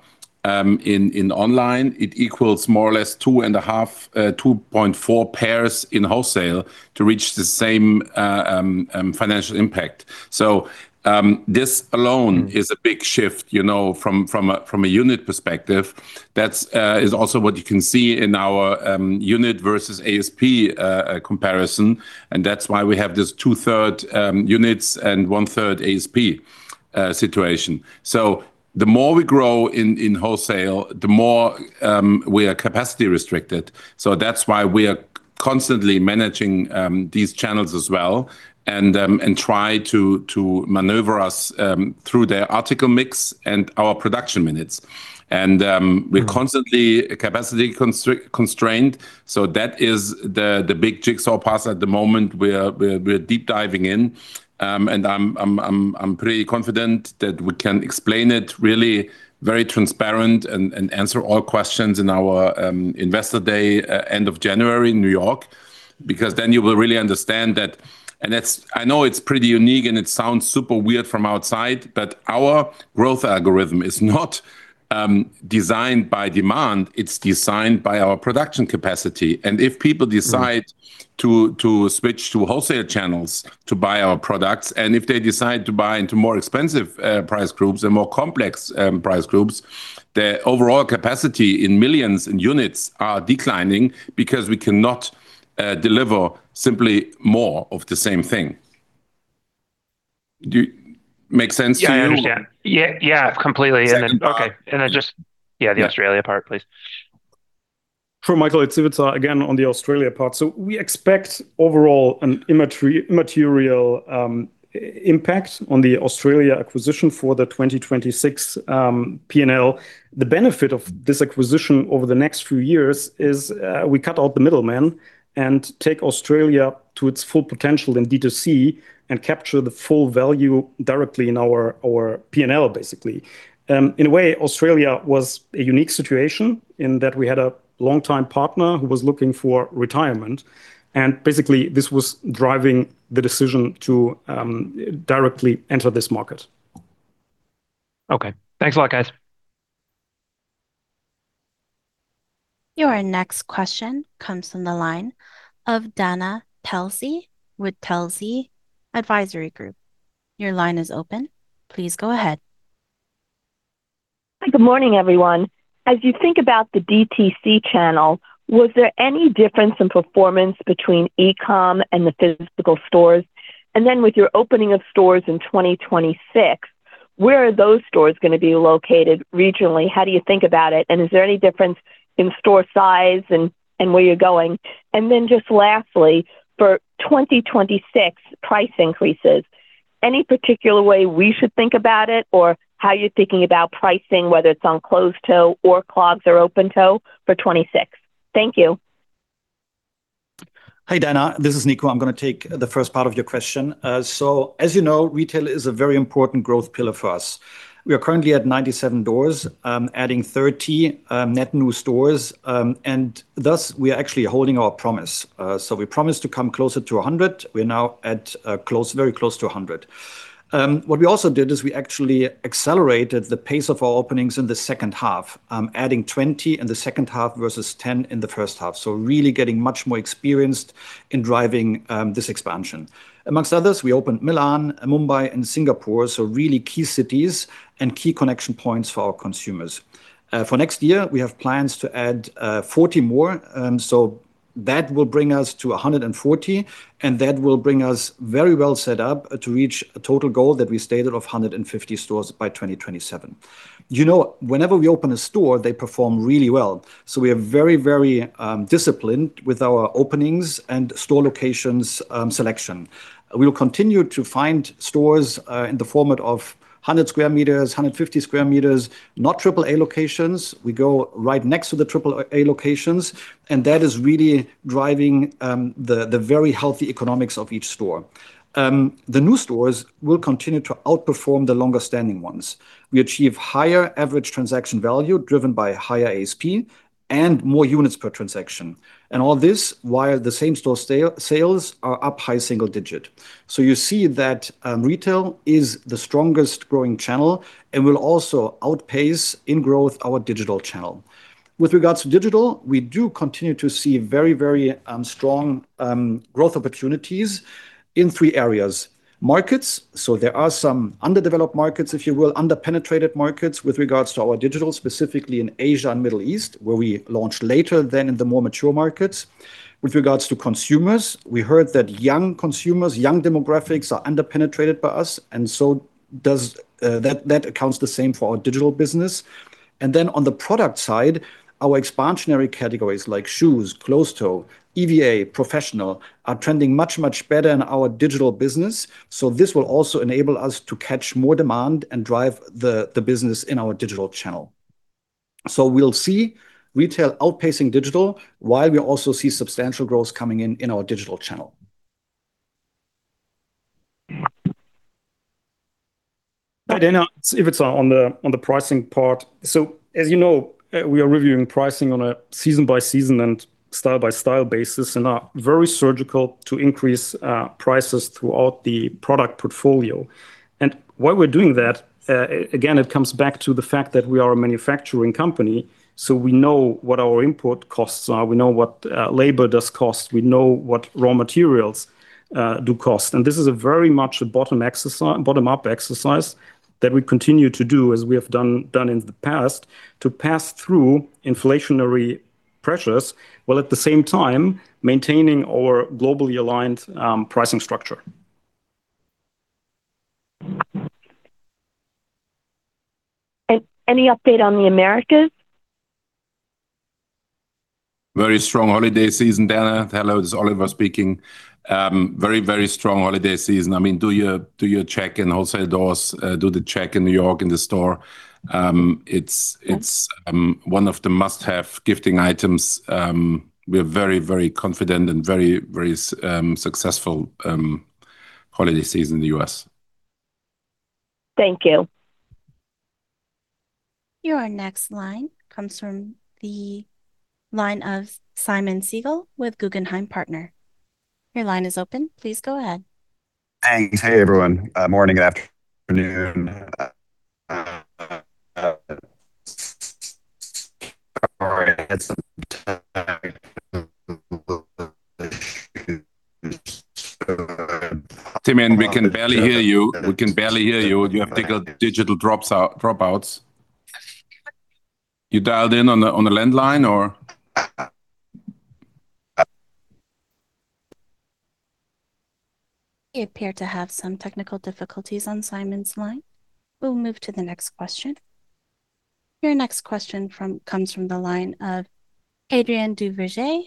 in online, it equals more or less 2.4 pairs in wholesale to reach the same financial impact. So this alone is a big shift from a unit perspective. That is also what you can see in our unit versus ASP comparison. And that's why we have this two-thirds units and one-third ASP situation. So the more we grow in wholesale, the more we are capacity restricted. So that's why we are constantly managing these channels as well and try to maneuver us through their article mix and our production minutes. And we're constantly capacity constrained. So that is the big jigsaw puzzle at the moment we're deep diving in. And I'm pretty confident that we can explain it really very transparent and answer all questions in our investor day end of January in New York because then you will really understand that. And I know it's pretty unique and it sounds super weird from outside, but our growth algorithm is not designed by demand. It's designed by our production capacity. And if people decide to switch to wholesale channels to buy our products, and if they decide to buy into more expensive price groups and more complex price groups, the overall capacity in millions and units are declining because we cannot deliver simply more of the same thing. Does that make sense to you? Yeah, I understand. Yeah, completely. And then just, yeah, the Australia part, please. Sure, Michael. It's Ivica again on the Australia part. So we expect overall an immaterial impact on the Australia acquisition for the 2026 P&L. The benefit of this acquisition over the next few years is we cut out the middleman and take Australia to its full potential in D2C and capture the full value directly in our P&L, basically. In a way, Australia was a unique situation in that we had a long-time partner who was looking for retirement. And basically, this was driving the decision to directly enter this market. Okay. Thanks a lot, guys. Your next question comes from the line of Donna Telsey with Telsey Advisory Group. Your line is open. Please go ahead. Hi, good morning, everyone. As you think about the DTC channel, was there any difference in performance between e-comm and the physical stores? And then with your opening of stores in 2026, where are those stores going to be located regionally? How do you think about it? And is there any difference in store size and where you're going? And then just lastly, for 2026 price increases, any particular way we should think about it or how you're thinking about pricing, whether it's on closed-toe or clogs or open-toe for '26? Thank you. Hi, Dana. This is Nico. I'm going to take the first part of your question. So as you know, retail is a very important growth pillar for us. We are currently at 97 doors, adding 30 net new stores. And thus, we are actually holding our promise. So we promised to come closer to 100. We're now very close to 100. What we also did is we actually accelerated the pace of our openings in the second half, adding 20 in the second half versus 10 in the first half. So really getting much more experienced in driving this expansion. Among others, we opened Milan, Mumbai, and Singapore, so really key cities and key connection points for our consumers. For next year, we have plans to add 40 more. So that will bring us to 140, and that will bring us very well set up to reach a total goal that we stated of 150 stores by 2027. You know, whenever we open a store, they perform really well. So we are very, very disciplined with our openings and store locations selection. We will continue to find stores in the format of 100 square meters, 150 square meters, not AAA locations. We go right next to the AAA locations, and that is really driving the very healthy economics of each store. The new stores will continue to outperform the longer-standing ones. We achieve higher average transaction value driven by higher ASP and more units per transaction. And all this while the same store sales are up high single digit. So you see that retail is the strongest growing channel and will also outpace in growth our digital channel. With regards to digital, we do continue to see very, very strong growth opportunities in three areas: markets. So there are some underdeveloped markets, if you will, under-penetrated markets with regards to our digital, specifically in Asia and Middle East, where we launched later than in the more mature markets. With regards to consumers, we heard that young consumers, young demographics are under-penetrated by us. That accounts the same for our digital business. Then on the product side, our expansionary categories like shoes, closed-toe, EVA, professional are trending much, much better in our digital business. This will also enable us to catch more demand and drive the business in our digital channel. We'll see retail outpacing digital while we also see substantial growth coming in our digital channel. Hi, Dana. It's Ivica on the pricing part. As you know, we are reviewing pricing on a season-by-season and style-by-style basis and are very surgical to increase prices throughout the product portfolio. Why we're doing that, again, it comes back to the fact that we are a manufacturing company. We know what our input costs are. We know what labor does cost. We know what raw materials do cost. And this is very much a bottom-up exercise that we continue to do as we have done in the past to pass through inflationary pressures, while at the same time maintaining our globally aligned pricing structure. Any update on the Americas? Very strong holiday season, Donna. Hello, this is Oliver speaking. Very, very strong holiday season. I mean, do your check in wholesale doors, do the check in New York in the store. It's one of the must-have gifting items. We're very, very confident and very, very successful holiday season in the U.S. Thank you. Your next line comes from the line of Simon Siegel with Guggenheim Partners. Your line is open. Please go ahead. Thanks. Hey, everyone. Morning and afternoon. Tim, we can barely hear you. We can barely hear you. You have digital dropouts. You dialed in on the landline, or? You appear to have some technical difficulties on Simon's line. We'll move to the next question. Your next question comes from the line of Adrien Duverger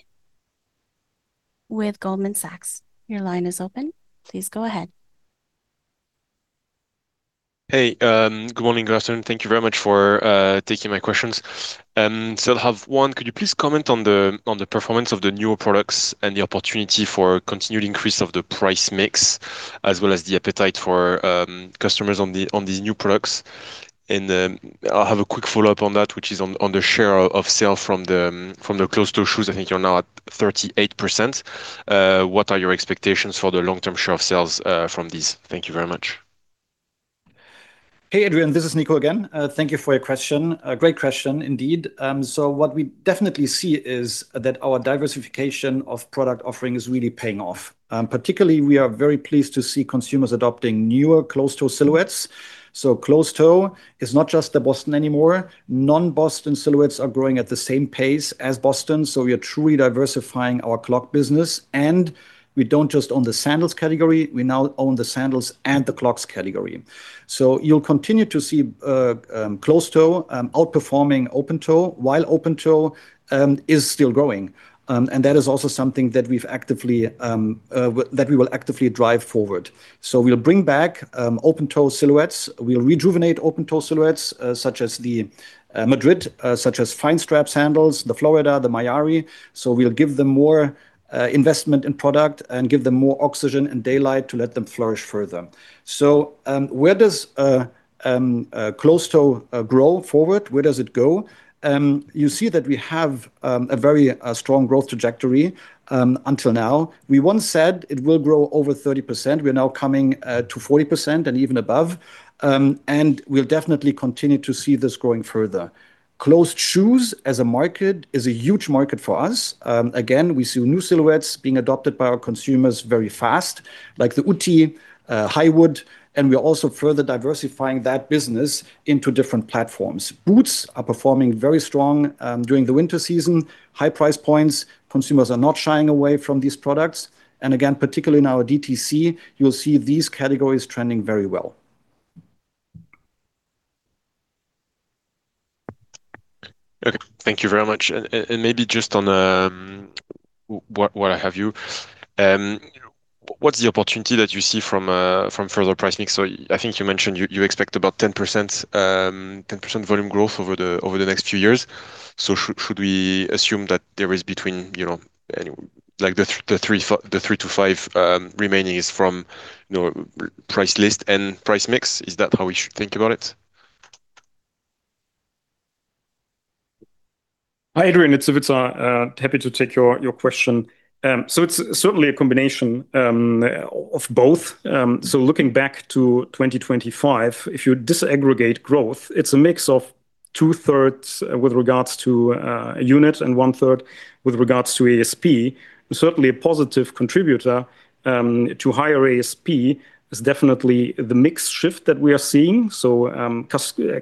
with Goldman Sachs. Your line is open. Please go ahead. Hey, good morning, good afternoon. Thank you very much for taking my questions. So I'll have one. Could you please comment on the performance of the newer products and the opportunity for continued increase of the price mix, as well as the appetite for customers on these new products? And I'll have a quick follow-up on that, which is on the share of sales from the closed-toe shoes. I think you're now at 38%. What are your expectations for the long-term share of sales from these? Thank you very much. Hey, Adrien, this is Nico again. Thank you for your question. Great question, indeed. What we definitely see is that our diversification of product offering is really paying off. Particularly, we are very pleased to see consumers adopting newer closed-toe silhouettes. Closed-toe is not just the Boston anymore. Non-Boston silhouettes are growing at the same pace as Boston. We are truly diversifying our clog business. We don't just own the sandals category. We now own the sandals and the clogs category. You'll continue to see closed-toe outperforming open-toe while open-toe is still growing. That is also something that we will actively drive forward. We'll bring back open-toe silhouettes. We'll rejuvenate open-toe silhouettes such as the Madrid, such as five-strap sandals, the Florida, the Mayari. We'll give them more investment in product and give them more oxygen and daylight to let them flourish further. Where does closed-toe go forward? Where does it go? You see that we have a very strong growth trajectory until now. We once said it will grow over 30%. We're now coming to 40% and even above, and we'll definitely continue to see this growing further. Closed-toe shoes as a market is a huge market for us. Again, we see new silhouettes being adopted by our consumers very fast, like the Ypsi, Highwood, and we're also further diversifying that business into different platforms. Boots are performing very strong during the winter season. High price points. Consumers are not shying away from these products, and again, particularly in our DTC, you'll see these categories trending very well. Okay. Thank you very much. And maybe just while I have you, what's the opportunity that you see from further price mix? So I think you mentioned you expect about 10% volume growth over the next few years. So should we assume that there is between like the three to five remaining is from price list and price mix? Is that how we should think about it? Hi, Adrien. It's Ivica. Happy to take your question. So it's certainly a combination of both. So looking back to 2025, if you disaggregate growth, it's a mix of two-thirds with regards to units and one-third with regards to ASP. Certainly a positive contributor to higher ASP is definitely the mix shift that we are seeing. So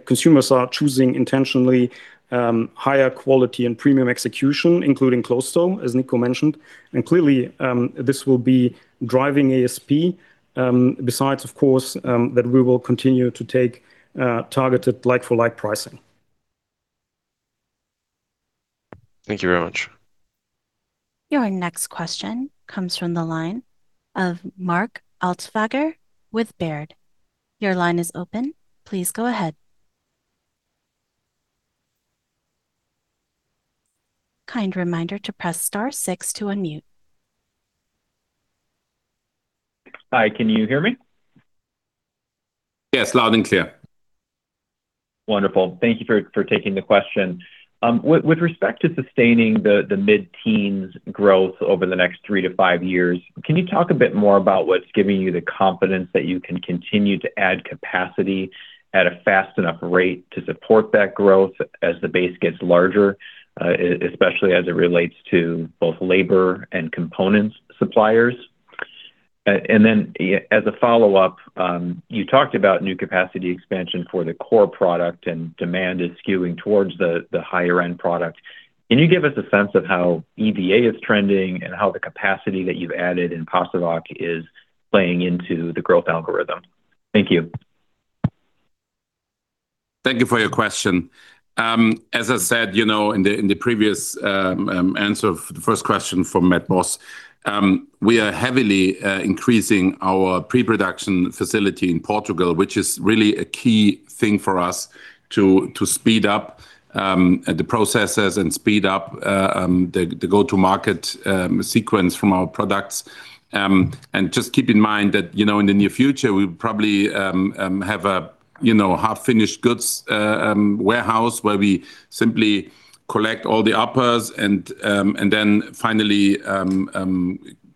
consumers are choosing intentionally higher quality and premium execution, including closed-toe, as Nico mentioned. And clearly, this will be driving ASP besides, of course, that we will continue to take targeted like-for-like pricing. Thank you very much. Your next question comes from the line of Mark Altschwager with Baird. Your line is open. Please go ahead. Kind reminder to press star six to unmute. Hi, can you hear me? Yes, loud and clear. Wonderful. Thank you for taking the question. With respect to sustaining the mid-teens growth over the next three to five years, can you talk a bit more about what's giving you the confidence that you can continue to add capacity at a fast enough rate to support that growth as the base gets larger, especially as it relates to both labor and components suppliers? And then as a follow-up, you talked about new capacity expansion for the core product and demand is skewing towards the higher-end product. Can you give us a sense of how EVA is trending and how the capacity that you've added in Pasewalk is playing into the growth algorithm? Thank you. Thank you for your question. As I said, in the previous answer of the first question from Matthew Boss, we are heavily increasing our pre-production facility in Portugal, which is really a key thing for us to speed up the processes and speed up the go-to-market sequence from our products. Just keep in mind that in the near future, we probably have a half-finished goods warehouse where we simply collect all the uppers and then finally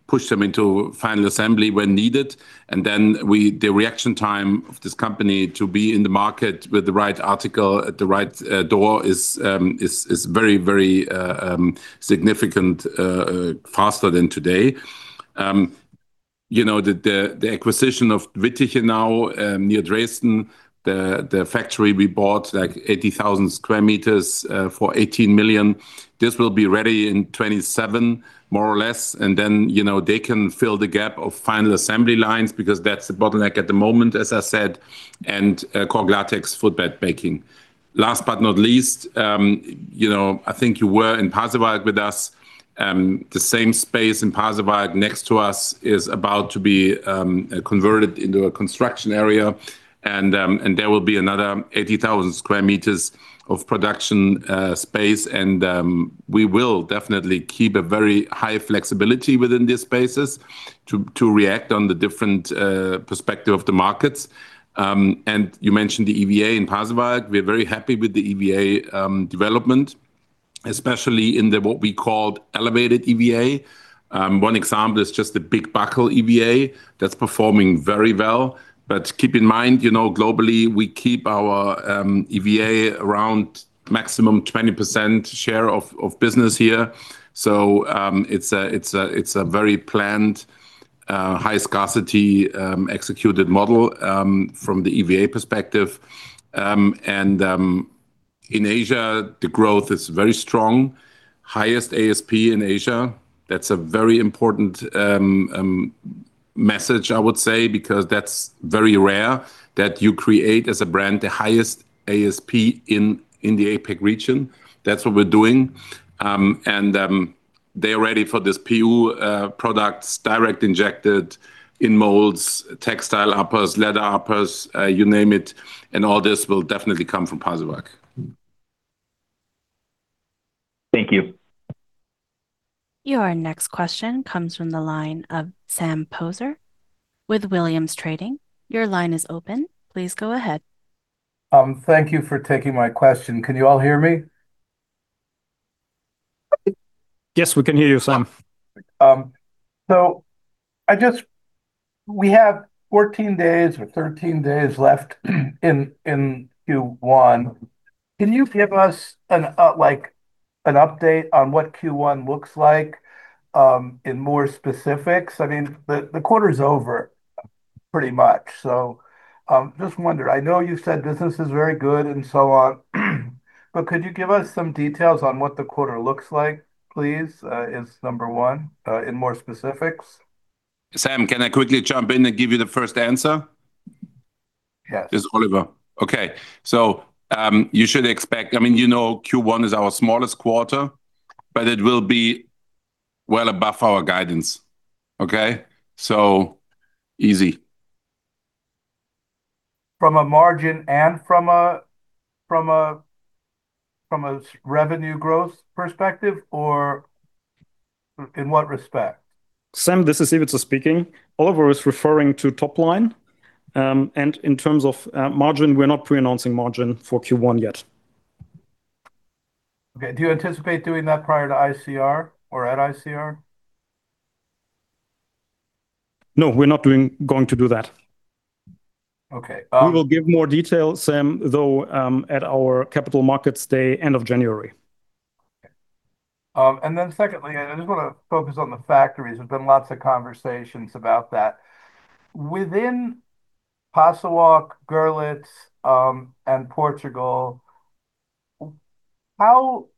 push them into final assembly when needed. Then the reaction time of this company to be in the market with the right article at the right door is very, very significant, faster than today. The acquisition of Wittichenau near Dresden, the factory we bought, like 80,000 sq m for 18 million. This will be ready in 2027, more or less. And then they can fill the gap of final assembly lines because that's the bottleneck at the moment, as I said, and cork-latex footbed baking. Last but not least, I think you were in Pasewalk with us. The same space in Pasewalk next to us is about to be converted into a construction area. And there will be another 80,000 square meters of production space. And we will definitely keep a very high flexibility within these spaces to react on the different perspective of the markets. And you mentioned the EVA in Pasewalk. We're very happy with the EVA development, especially in what we called elevated EVA. One example is just the Big Buckle EVA that's performing very well. But keep in mind, globally, we keep our EVA around maximum 20% share of business here. So it's a very planned, high-scarcity executed model from the EVA perspective. And in Asia, the growth is very strong. Highest ASP in Asia. That's a very important message, I would say, because that's very rare that you create as a brand the highest ASP in the APAC region. That's what we're doing. And they are ready for these PU products, direct injected, in molds, textile uppers, leather uppers, you name it. And all this will definitely come from Pasewalk. Thank you. Your next question comes from the line of Sam Poser with Williams Trading. Your line is open. Please go ahead. Thank you for taking my question. Can you all hear me? Yes, we can hear you, Sam. So we have 14 days or 13 days left in Q1. Can you give us an update on what Q1 looks like in more specifics? I mean, the quarter is over pretty much. So just wondered. I know you said business is very good and so on. But could you give us some details on what the quarter looks like, please? Is number one in more specifics? Sam, can I quickly jump in and give you the first answer? Yes. This is Oliver. Okay. So you should expect, I mean, Q1 is our smallest quarter, but it will be well above our guidance. Okay? So easy. From a margin and from a revenue growth perspective, or in what respect? Sam, this is Ivica speaking. Oliver is referring to top line. And in terms of margin, we're not pre-announcing margin for Q1 yet. Okay. Do you anticipate doing that prior to ICR or at ICR? No, we're not going to do that. Okay. We will give more details, Sam, though, at our capital markets day end of January. And then secondly, I just want to focus on the factories. There's been lots of conversations about that. Within Pasewalk, Görlitz, and Portugal, how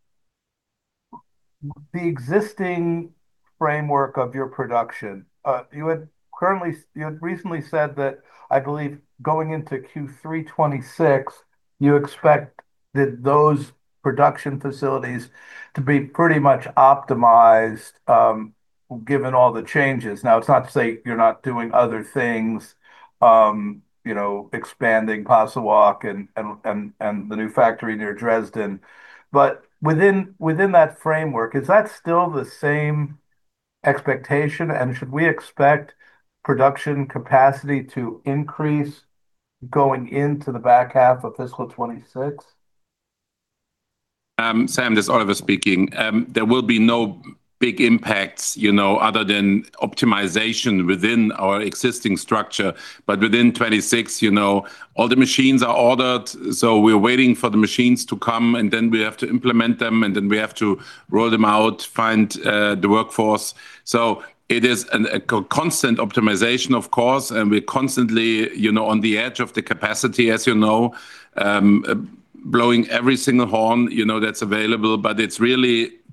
the existing framework of your production, you had recently said that I believe going into Q3 2026, you expect those production facilities to be pretty much optimized given all the changes. Now, it's not to say you're not doing other things, expanding Pasewalk and the new factory near Dresden. But within that framework, is that still the same expectation? And should we expect production capacity to increase going into the back half of fiscal 2026? Sam, this is Oliver speaking. There will be no big impacts other than optimization within our existing structure. But within 2026, all the machines are ordered. So we're waiting for the machines to come, and then we have to implement them, and then we have to roll them out, find the workforce. So it is a constant optimization, of course. And we're constantly on the edge of the capacity, as you know, blowing every single horn that's available. But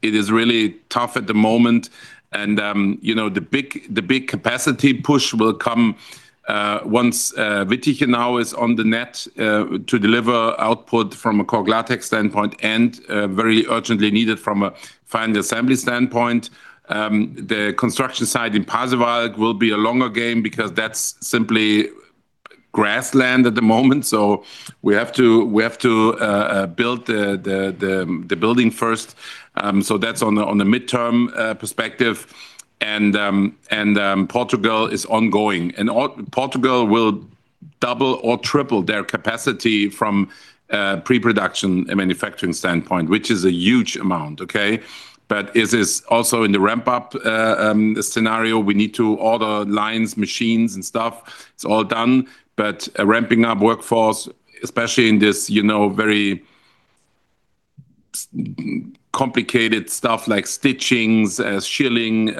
it is really tough at the moment. And the big capacity push will come once Wittichenau is online to deliver output from a Cork-Latex standpoint and very urgently needed from a final assembly standpoint. The construction site in Pasewalk will be a longer game because that's simply grassland at the moment. So we have to build the building first. So that's on a midterm perspective. And Portugal is ongoing. And Portugal will double or triple their capacity from pre-production and manufacturing standpoint, which is a huge amount. Okay? But it is also in the ramp-up scenario. We need to order lines, machines, and stuff. It's all done. But ramping up workforce, especially in this very complicated stuff like stitchings, skiving,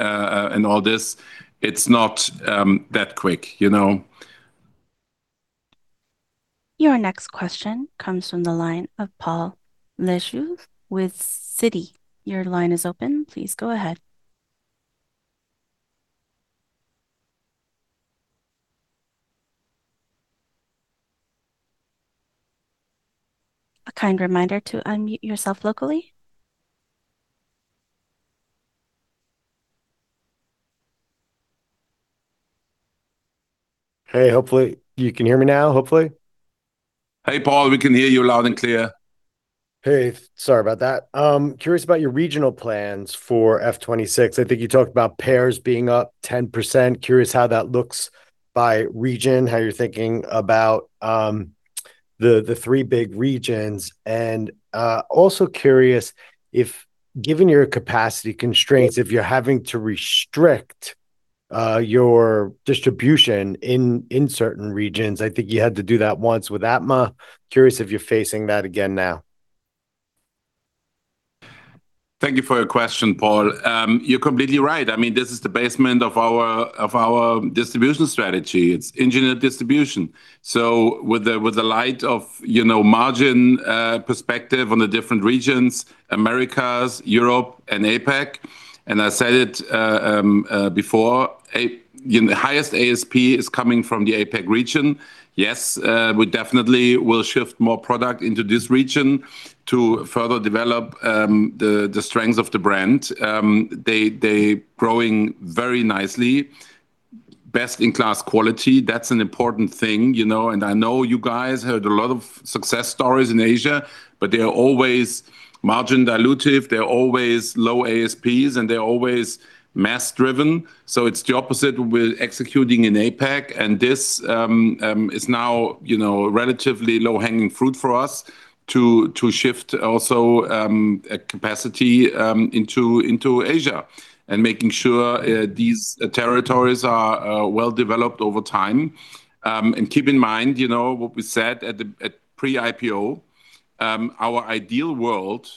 and all this, it's not that quick. Your next question comes from the line of Paul Lejuez with Citi. Your line is open. Please go ahead. A kind reminder to unmute yourself locally. Hey, hopefully you can hear me now, hopefully. Hey, Paul, we can hear you loud and clear. Hey, sorry about that. Curious about your regional plans for F26. I think you talked about APAC being up 10%. Curious how that looks by region, how you're thinking about the three big regions. And also curious if, given your capacity constraints, if you're having to restrict your distribution in certain regions. I think you had to do that once with EMEA. Curious if you're facing that again now. Thank you for your question, Paul. You're completely right. I mean, this is the basis of our distribution strategy. It's engineered distribution. So in light of the margin perspective on the different regions, Americas, Europe, and APAC, and I said it before, highest ASP is coming from the APAC region. Yes, we definitely will shift more product into this region to further develop the strength of the brand. They're growing very nicely. Best-in-class quality. That's an important thing. And I know you guys heard a lot of success stories in Asia, but they are always margin dilutive. They're always low ASPs, and they're always mass-driven. So it's the opposite with executing in APAC. And this is now relatively low-hanging fruit for us to shift also capacity into Asia and making sure these territories are well developed over time. Keep in mind what we said at pre-IPO. Our ideal world,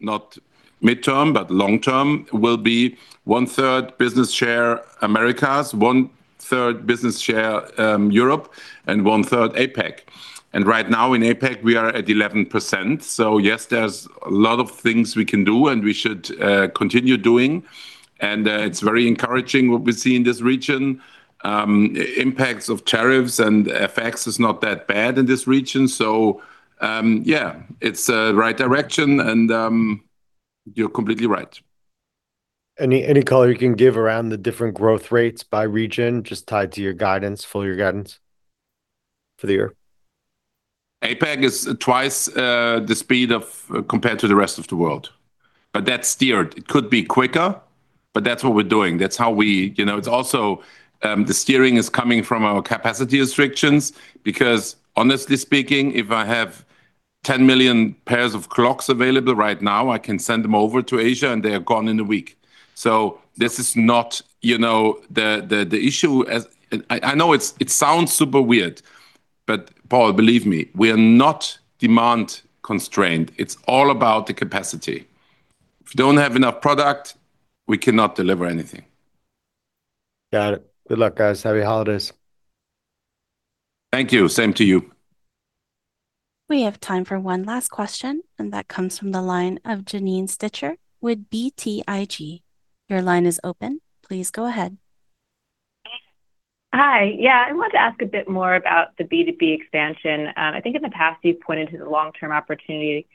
not mid-term, but long-term, will be one-third business share Americas, one-third business share Europe, and one-third APAC. Right now in APAC, we are at 11%. So yes, there's a lot of things we can do, and we should continue doing. It's very encouraging what we see in this region. Impacts of tariffs and effects are not that bad in this region. Yeah, it's the right direction. You're completely right. Any color you can give around the different growth rates by region, just tied to your guidance, full-year guidance for the year? APAC is twice the speed compared to the rest of the world. But that's steered. It could be quicker, but that's what we're doing. That's how we it's also the steering is coming from our capacity restrictions because, honestly speaking, if I have 10 million pairs of clogs available right now, I can send them over to Asia, and they are gone in a week. So this is not the issue. I know it sounds super weird. But Paul, believe me, we are not demand constrained. It's all about the capacity. If we don't have enough product, we cannot deliver anything. Got it. Good luck, guys. Happy holidays. Thank you. Same to you. We have time for one last question, and that comes from the line of Janine Stichter with BTIG. Your line is open. Please go ahead. Hi. Yeah, I wanted to ask a bit more about the B2B expansion. I think in the past, you've pointed to the long-term opportunity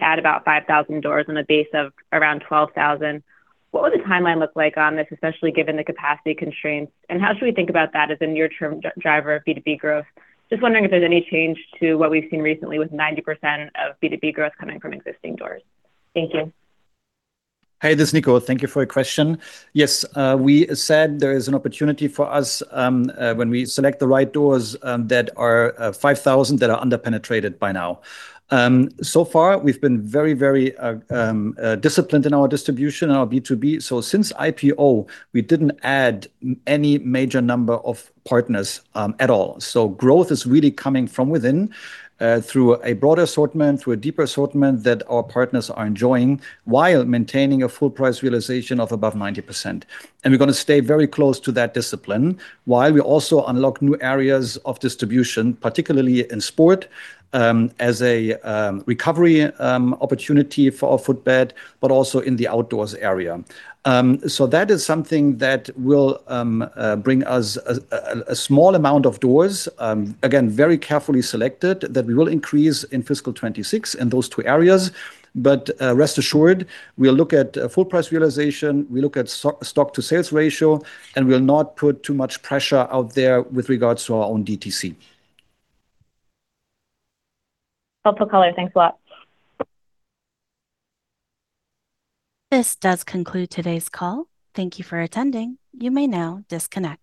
at about 5,000 doors on the base of around 12,000. What would the timeline look like on this, especially given the capacity constraints? And how should we think about that as a near-term driver of B2B growth? Just wondering if there's any change to what we've seen recently with 90% of B2B growth coming from existing doors. Thank you. Hey, this is Nico. Thank you for your question. Yes, we said there is an opportunity for us when we select the right doors that are 5,000 that are under-penetrated by now. So far, we've been very, very disciplined in our distribution and our B2B. So since IPO, we didn't add any major number of partners at all. So growth is really coming from within through a broader assortment, through a deeper assortment that our partners are enjoying while maintaining a full-price realization of above 90%. And we're going to stay very close to that discipline while we also unlock new areas of distribution, particularly in sport as a recovery opportunity for our footbed, but also in the outdoors area. So that is something that will bring us a small amount of doors, again, very carefully selected that we will increase in fiscal 2026 in those two areas. But rest assured, we'll look at full-price realization. We look at stock-to-sales ratio, and we'll not put too much pressure out there with regards to our own DTC. Helpful color. Thanks a lot. This does conclude today's call. Thank you for attending. You may now disconnect.